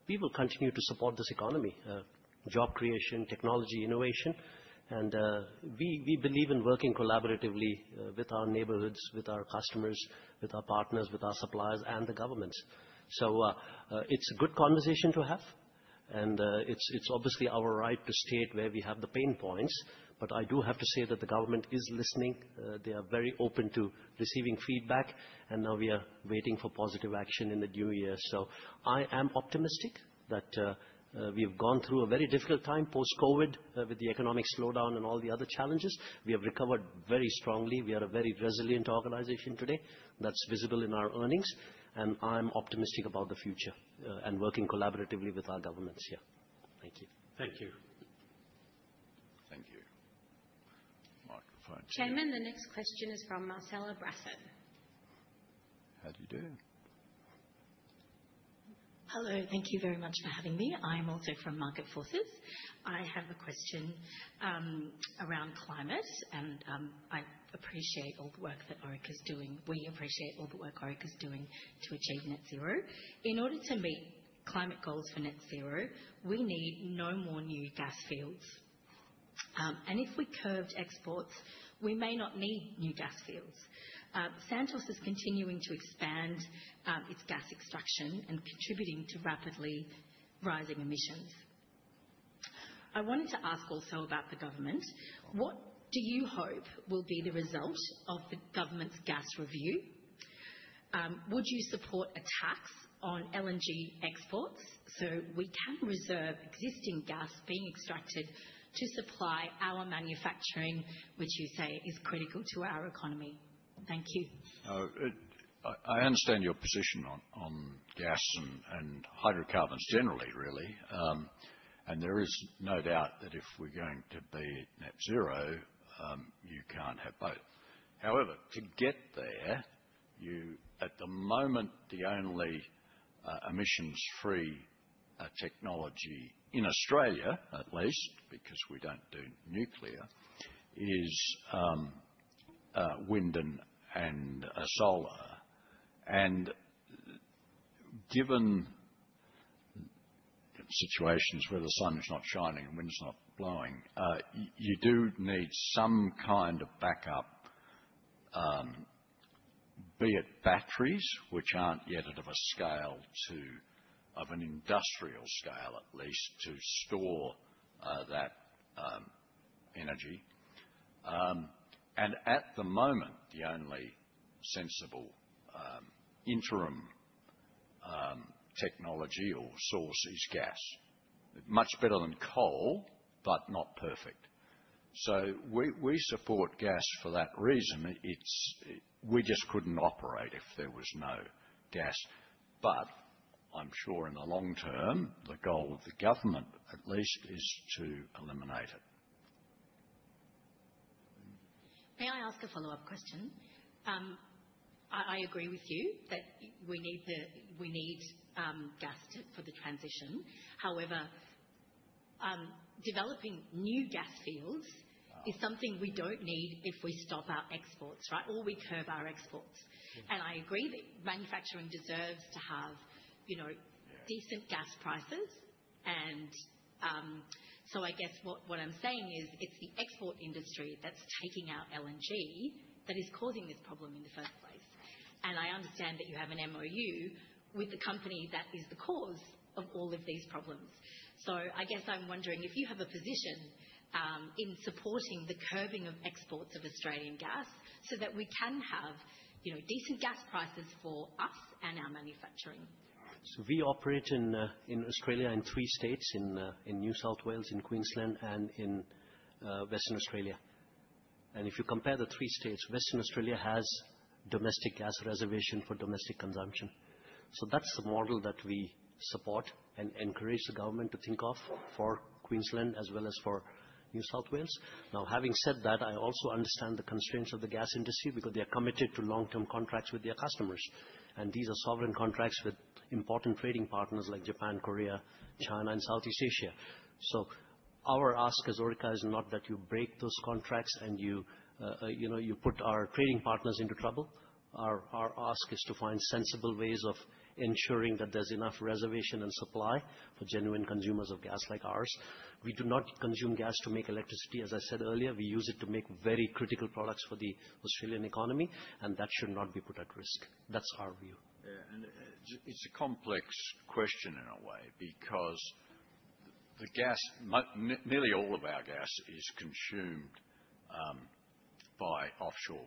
We will continue to support this economy, job creation, technology, innovation. We believe in working collaboratively with our neighborhoods, with our customers, with our partners, with our suppliers, and the governments. It's a good conversation to have, and it's obviously our right to state where we have the pain points, but I do have to say that the government is listening. They are very open to receiving feedback, and now we are waiting for positive action in the new year. I am optimistic that we have gone through a very difficult time post-COVID with the economic slowdown and all the other challenges. We have recovered very strongly. We are a very resilient organization today. That's visible in our earnings, and I'm optimistic about the future and working collaboratively with our governments here. Thank you. Thank you. Thank you. Microphone two. Chairman, the next question is from Marcella Braford. How do you do? Hello. Thank you very much for having me. I'm also from Market Forces. I have a question around climate, and I appreciate all the work that Orica's doing. We appreciate all the work Orica's doing to achieve net zero. In order to meet climate goals for net zero, we need no more new gas fields. If we curbed exports, we may not need new gas fields. Santos is continuing to expand its gas extraction and contributing to rapidly rising emissions. I wanted to ask also about the government. What do you hope will be the result of the government's gas review? Would you support a tax on LNG exports so we can reserve existing gas being extracted to supply our manufacturing, which you say is critical to our economy? Thank you. I understand your position on gas and hydrocarbons generally, really. There is no doubt that if we're going to be net zero, you can't have both. However, to get there, at the moment, the only emissions-free technology in Australia, at least, because we don't do nuclear, is wind and solar. Given situations where the sun is not shining and wind is not blowing, you do need some kind of backup, be it batteries, which aren't yet at an industrial scale, at least, to store that energy. At the moment, the only sensible interim technology or source is gas. Much better than coal, but not perfect. We support gas for that reason. We just couldn't operate if there was no gas. I'm sure in the long term, the goal of the government, at least, is to eliminate it. May I ask a follow-up question? I agree with you that we need gas for the transition. However, developing new gas fields is something we don't need if we stop our exports, right? Or we curb our exports. Yeah. I agree that manufacturing deserves to have decent gas prices. Yeah. I guess what I'm saying is it's the export industry that's taking our LNG that is causing this problem in the first place. I understand that you have an MoU with the company that is the cause of all of these problems. I guess I'm wondering if you have a position in supporting the curbing of exports of Australian gas so that we can have decent gas prices for us and our manufacturing. We operate in Australia in three states, in New South Wales, in Queensland, and in Western Australia. If you compare the three states, Western Australia has domestic gas reservation for domestic consumption. That's the model that we support and encourage the government to think of for Queensland as well as for New South Wales. Having said that, I also understand the constraints of the gas industry because they are committed to long-term contracts with their customers, and these are sovereign contracts with important trading partners like Japan, Korea, China, and Southeast Asia. Our ask as Orica is not that you break those contracts and you put our trading partners into trouble. Our ask is to find sensible ways of ensuring that there's enough reservation and supply for genuine consumers of gas like ours. We do not consume gas to make electricity, as I said earlier. We use it to make very critical products for the Australian economy, that should not be put at risk. That's our view. It's a complex question in a way because nearly all of our gas is consumed by offshore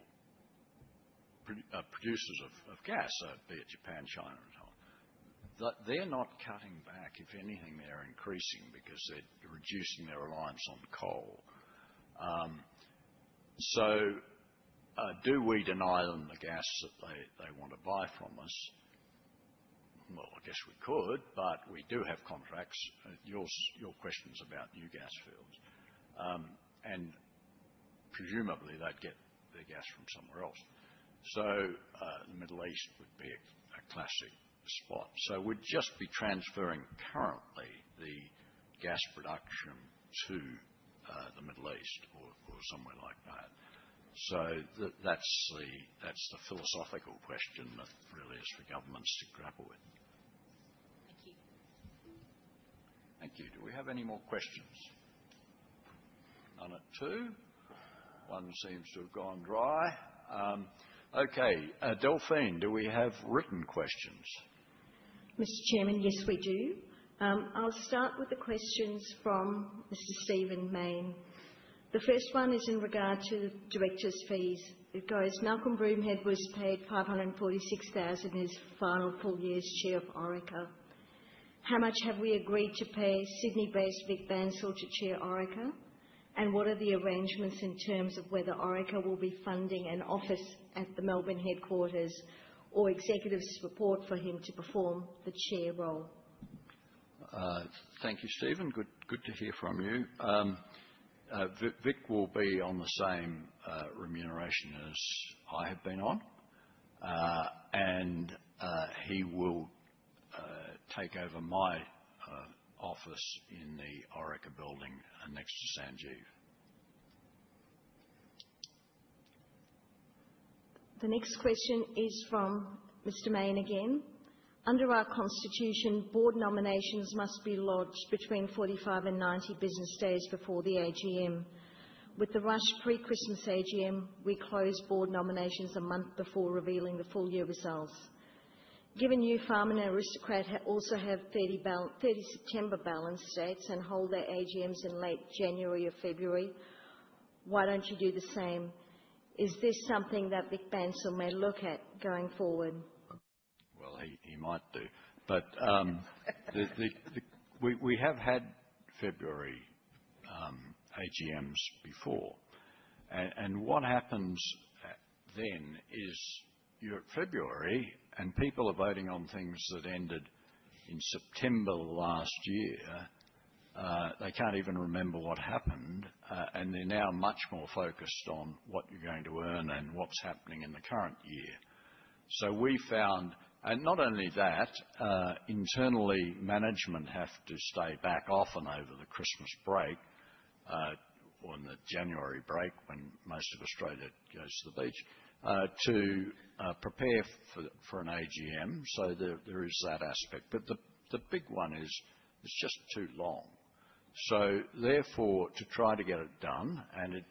producers of gas, be it Japan, China, and so on. They're not cutting back. If anything, they're increasing because they're reducing their reliance on coal. Do we deny them the gas that they want to buy from us? I guess we could, but we do have contracts. Your question's about new gas fields, and presumably they'd get their gas from somewhere else. The Middle East would be a classic spot. We'd just be transferring currently the gas production to the Middle East or somewhere like that. That's the philosophical question that really is for governments to grapple with. Thank you. Thank you. Do we have any more questions? None at 2. 1 seems to have gone dry. Delphine, do we have written questions? Mr. Chairman, yes, we do. I'll start with the questions from Mr. Stephen Mayne. The first one is in regard to directors' fees. It goes, "Malcolm Broomhead was paid 546,000 in his final full year as chair of Orica. How much have we agreed to pay Sydney-based Vik Bansal to chair Orica, and what are the arrangements in terms of whether Orica will be funding an office at the Melbourne headquarters or executives report for him to perform the chair role? Thank you, Steven. Good to hear from you. Vik will be on the same remuneration as I have been on. He will take over my office in the Orica building next to Sanjeev. The next question is from Mr. Mayne again. "Under our constitution, board nominations must be lodged between 45 and 90 business days before the AGM. With the rushed pre-Christmas AGM, we closed board nominations a month before revealing the full year results. Given Nufarm and Aristocrat also have September 30 balance dates and hold their AGMs in late January or February, why don't you do the same? Is this something that Vik Bansal may look at going forward? He might do. We have had February AGMs before. What happens then is you're at February, and people are voting on things that ended in September last year. They can't even remember what happened, and they're now much more focused on what you're going to earn and what's happening in the current year. Not only that, internally, management have to stay back often over the Christmas break, on the January break when most of Australia goes to the beach, to prepare for an AGM. There is that aspect. The big one is it's just too long. To try to get it done, and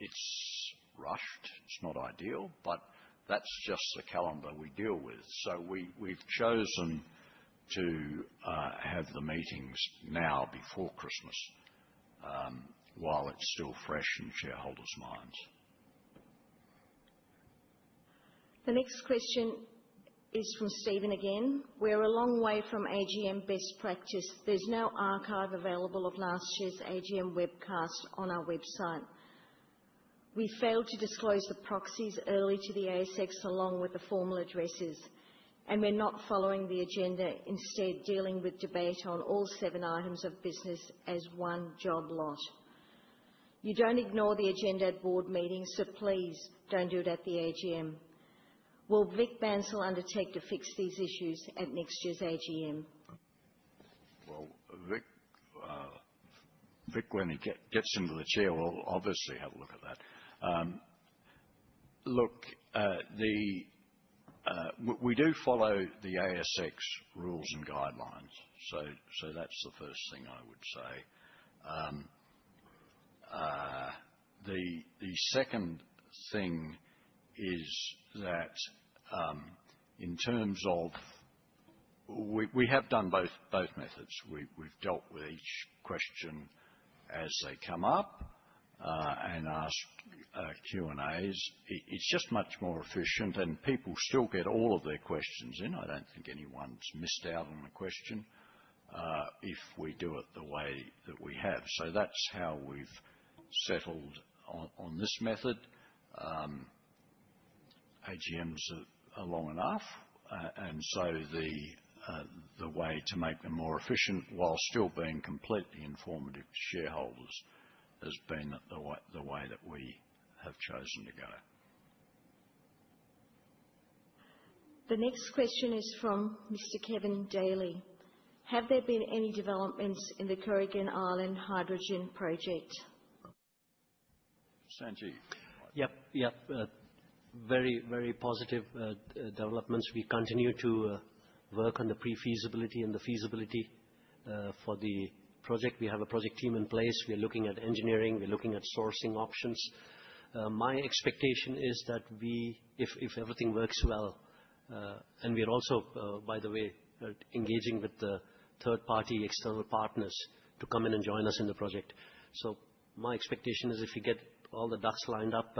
it's rushed. It's not ideal, but that's just the calendar we deal with. We've chosen to have the meetings now before Christmas, while it's still fresh in shareholders' minds. The next question is from Stephen again. "We're a long way from AGM best practice. There's no archive available of last year's AGM webcast on our website. We failed to disclose the proxies early to the ASX along with the formal addresses, and we're not following the agenda, instead dealing with debate on all seven items of business as one job lot. You don't ignore the agenda at board meetings, so please don't do it at the AGM. Will Vik Bansal undertake to fix these issues at next year's AGM? Well, Vik, when he gets into the chair, will obviously have a look at that. Look, we do follow the ASX rules and guidelines. That's the first thing I would say. The second thing is that in terms of we have done both methods. We've dealt with each question as they come up, and asked Q&As. It's just much more efficient, and people still get all of their questions in. I don't think anyone's missed out on a question if we do it the way that we have. That's how we've settled on this method. AGMs are long enough. The way to make them more efficient while still being completely informative to shareholders has been the way that we have chosen to go. The next question is from Mr. Kevin Daly. "Have there been any developments in the Hunter Valley Hydrogen Hub? Sanjeev. Yep. Very positive developments. We continue to work on the pre-feasibility and the feasibility for the project. We have a project team in place. We are looking at engineering. We're looking at sourcing options. My expectation is that we, if everything works well, and we're also, by the way, engaging with the third-party external partners to come in and join us in the project. My expectation is if we get all the ducks lined up,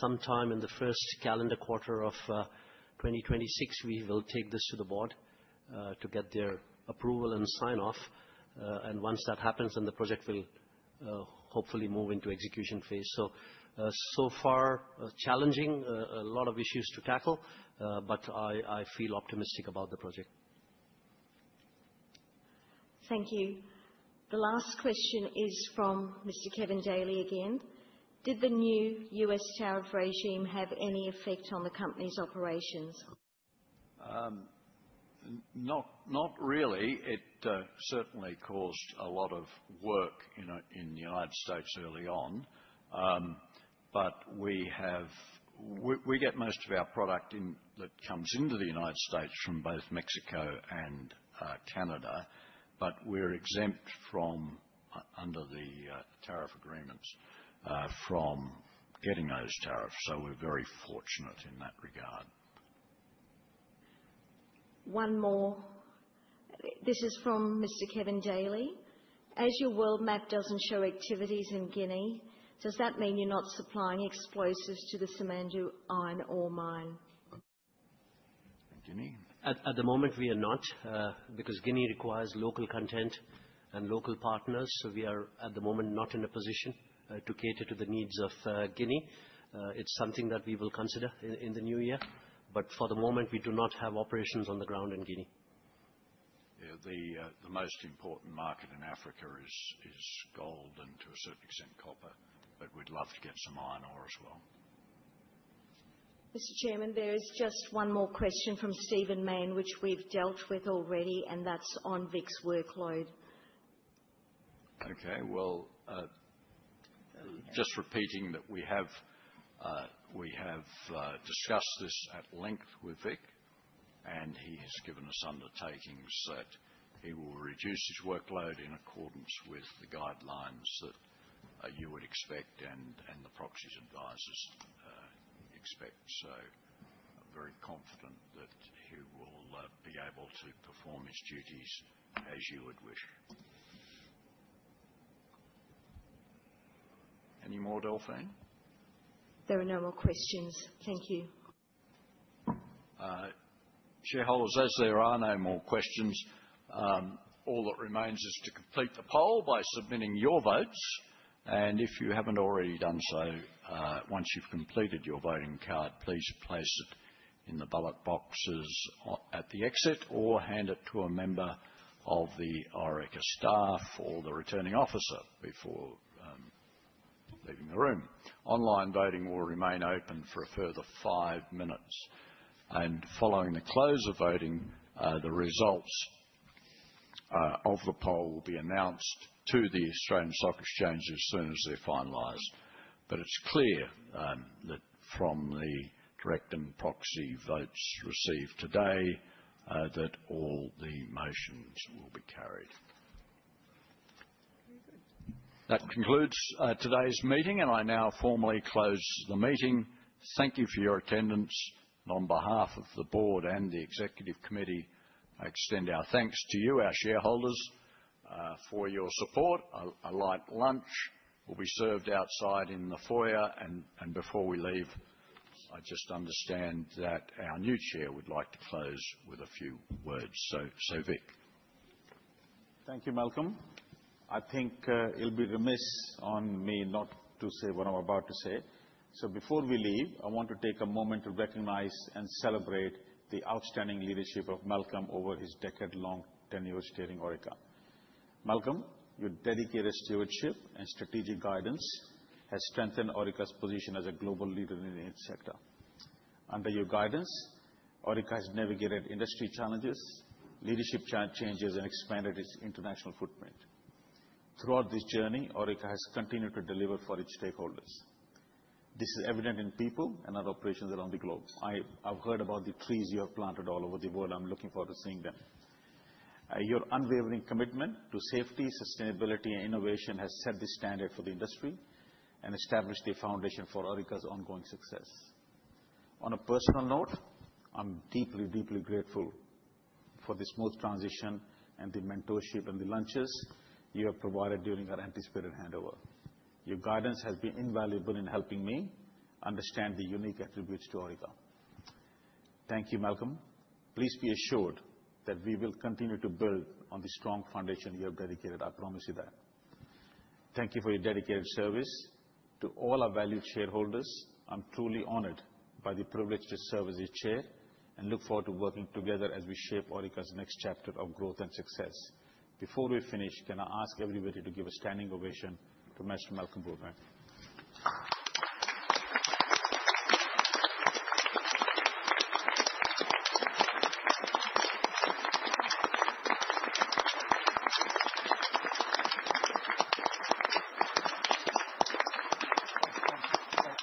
sometime in the first calendar quarter of 2026, we will take this to the board to get their approval and sign off. Once that happens, then the project will hopefully move into execution phase. So far, challenging, a lot of issues to tackle, but I feel optimistic about the project. Thank you. The last question is from Mr. Kevin Daly again. Did the new U.S. tariff regime have any effect on the company's operations? Not really. It certainly caused a lot of work in the U.S. early on. We get most of our product that comes into the U.S. from both Mexico and Canada, we're exempt, under the tariff agreements, from getting those tariffs. We're very fortunate in that regard. One more. This is from Mr. Kevin Daly. As your world map doesn't show activities in Guinea, does that mean you're not supplying explosives to the Simandou iron ore mine? Guinea? At the moment we are not, because Guinea requires local content and local partners. We are, at the moment, not in a position to cater to the needs of Guinea. It's something that we will consider in the new year. For the moment, we do not have operations on the ground in Guinea. Yeah. The most important market in Africa is gold and to a certain extent, copper, but we'd love to get some iron ore as well. Mr. Chairman, there is just one more question from Steven Main, which we've dealt with already, and that's on Vik's workload. Okay. Well, just repeating that we have discussed this at length with Vik, and he has given us undertakings that he will reduce his workload in accordance with the guidelines that you would expect and the proxy's advisors expect. I'm very confident that he will be able to perform his duties as you would wish. Any more, Delphine? There are no more questions. Thank you. Shareholders, as there are no more questions, all that remains is to complete the poll by submitting your votes. If you haven't already done so, once you've completed your voting card, please place it in the ballot boxes at the exit or hand it to a member of the Orica staff or the returning officer before leaving the room. Online voting will remain open for a further five minutes. Following the close of voting, the results of the poll will be announced to the Australian Securities Exchange as soon as they're finalized. It's clear that from the direct and proxy votes received today, that all the motions will be carried. Very good. That concludes today's meeting, and I now formally close the meeting. Thank you for your attendance. On behalf of the board and the executive committee, I extend our thanks to you, our shareholders, for your support. A light lunch will be served outside in the foyer. Before we leave, I just understand that our new chair would like to close with a few words. Vik. Thank you, Malcolm. I think it'll be remiss on me not to say what I'm about to say. Before we leave, I want to take a moment to recognize and celebrate the outstanding leadership of Malcolm over his decade-long tenure steering Orica. Malcolm, your dedicated stewardship and strategic guidance has strengthened Orica's position as a global leader in the AM sector. Under your guidance, Orica has navigated industry challenges, leadership changes, and expanded its international footprint. Throughout this journey, Orica has continued to deliver for its stakeholders. This is evident in people and our operations around the globe. I've heard about the trees you have planted all over the world. I'm looking forward to seeing them. Your unwavering commitment to safety, sustainability, and innovation has set the standard for the industry and established the foundation for Orica's ongoing success. On a personal note, I'm deeply grateful for the smooth transition and the mentorship and the lunches you have provided during our anticipated handover. Your guidance has been invaluable in helping me understand the unique attributes to Orica. Thank you, Malcolm. Please be assured that we will continue to build on the strong foundation you have dedicated. I promise you that. Thank you for your dedicated service. To all our valued shareholders, I'm truly honored by the privilege to serve as your chair and look forward to working together as we shape Orica's next chapter of growth and success. Before we finish, can I ask everybody to give a standing ovation to Mr. Malcolm Broomhead.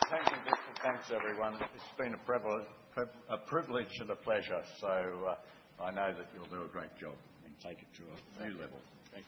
Thank you. Thank you. Thanks, everyone. It's been a privilege and a pleasure. I know that you'll do a great job and take it to a new level. Thank you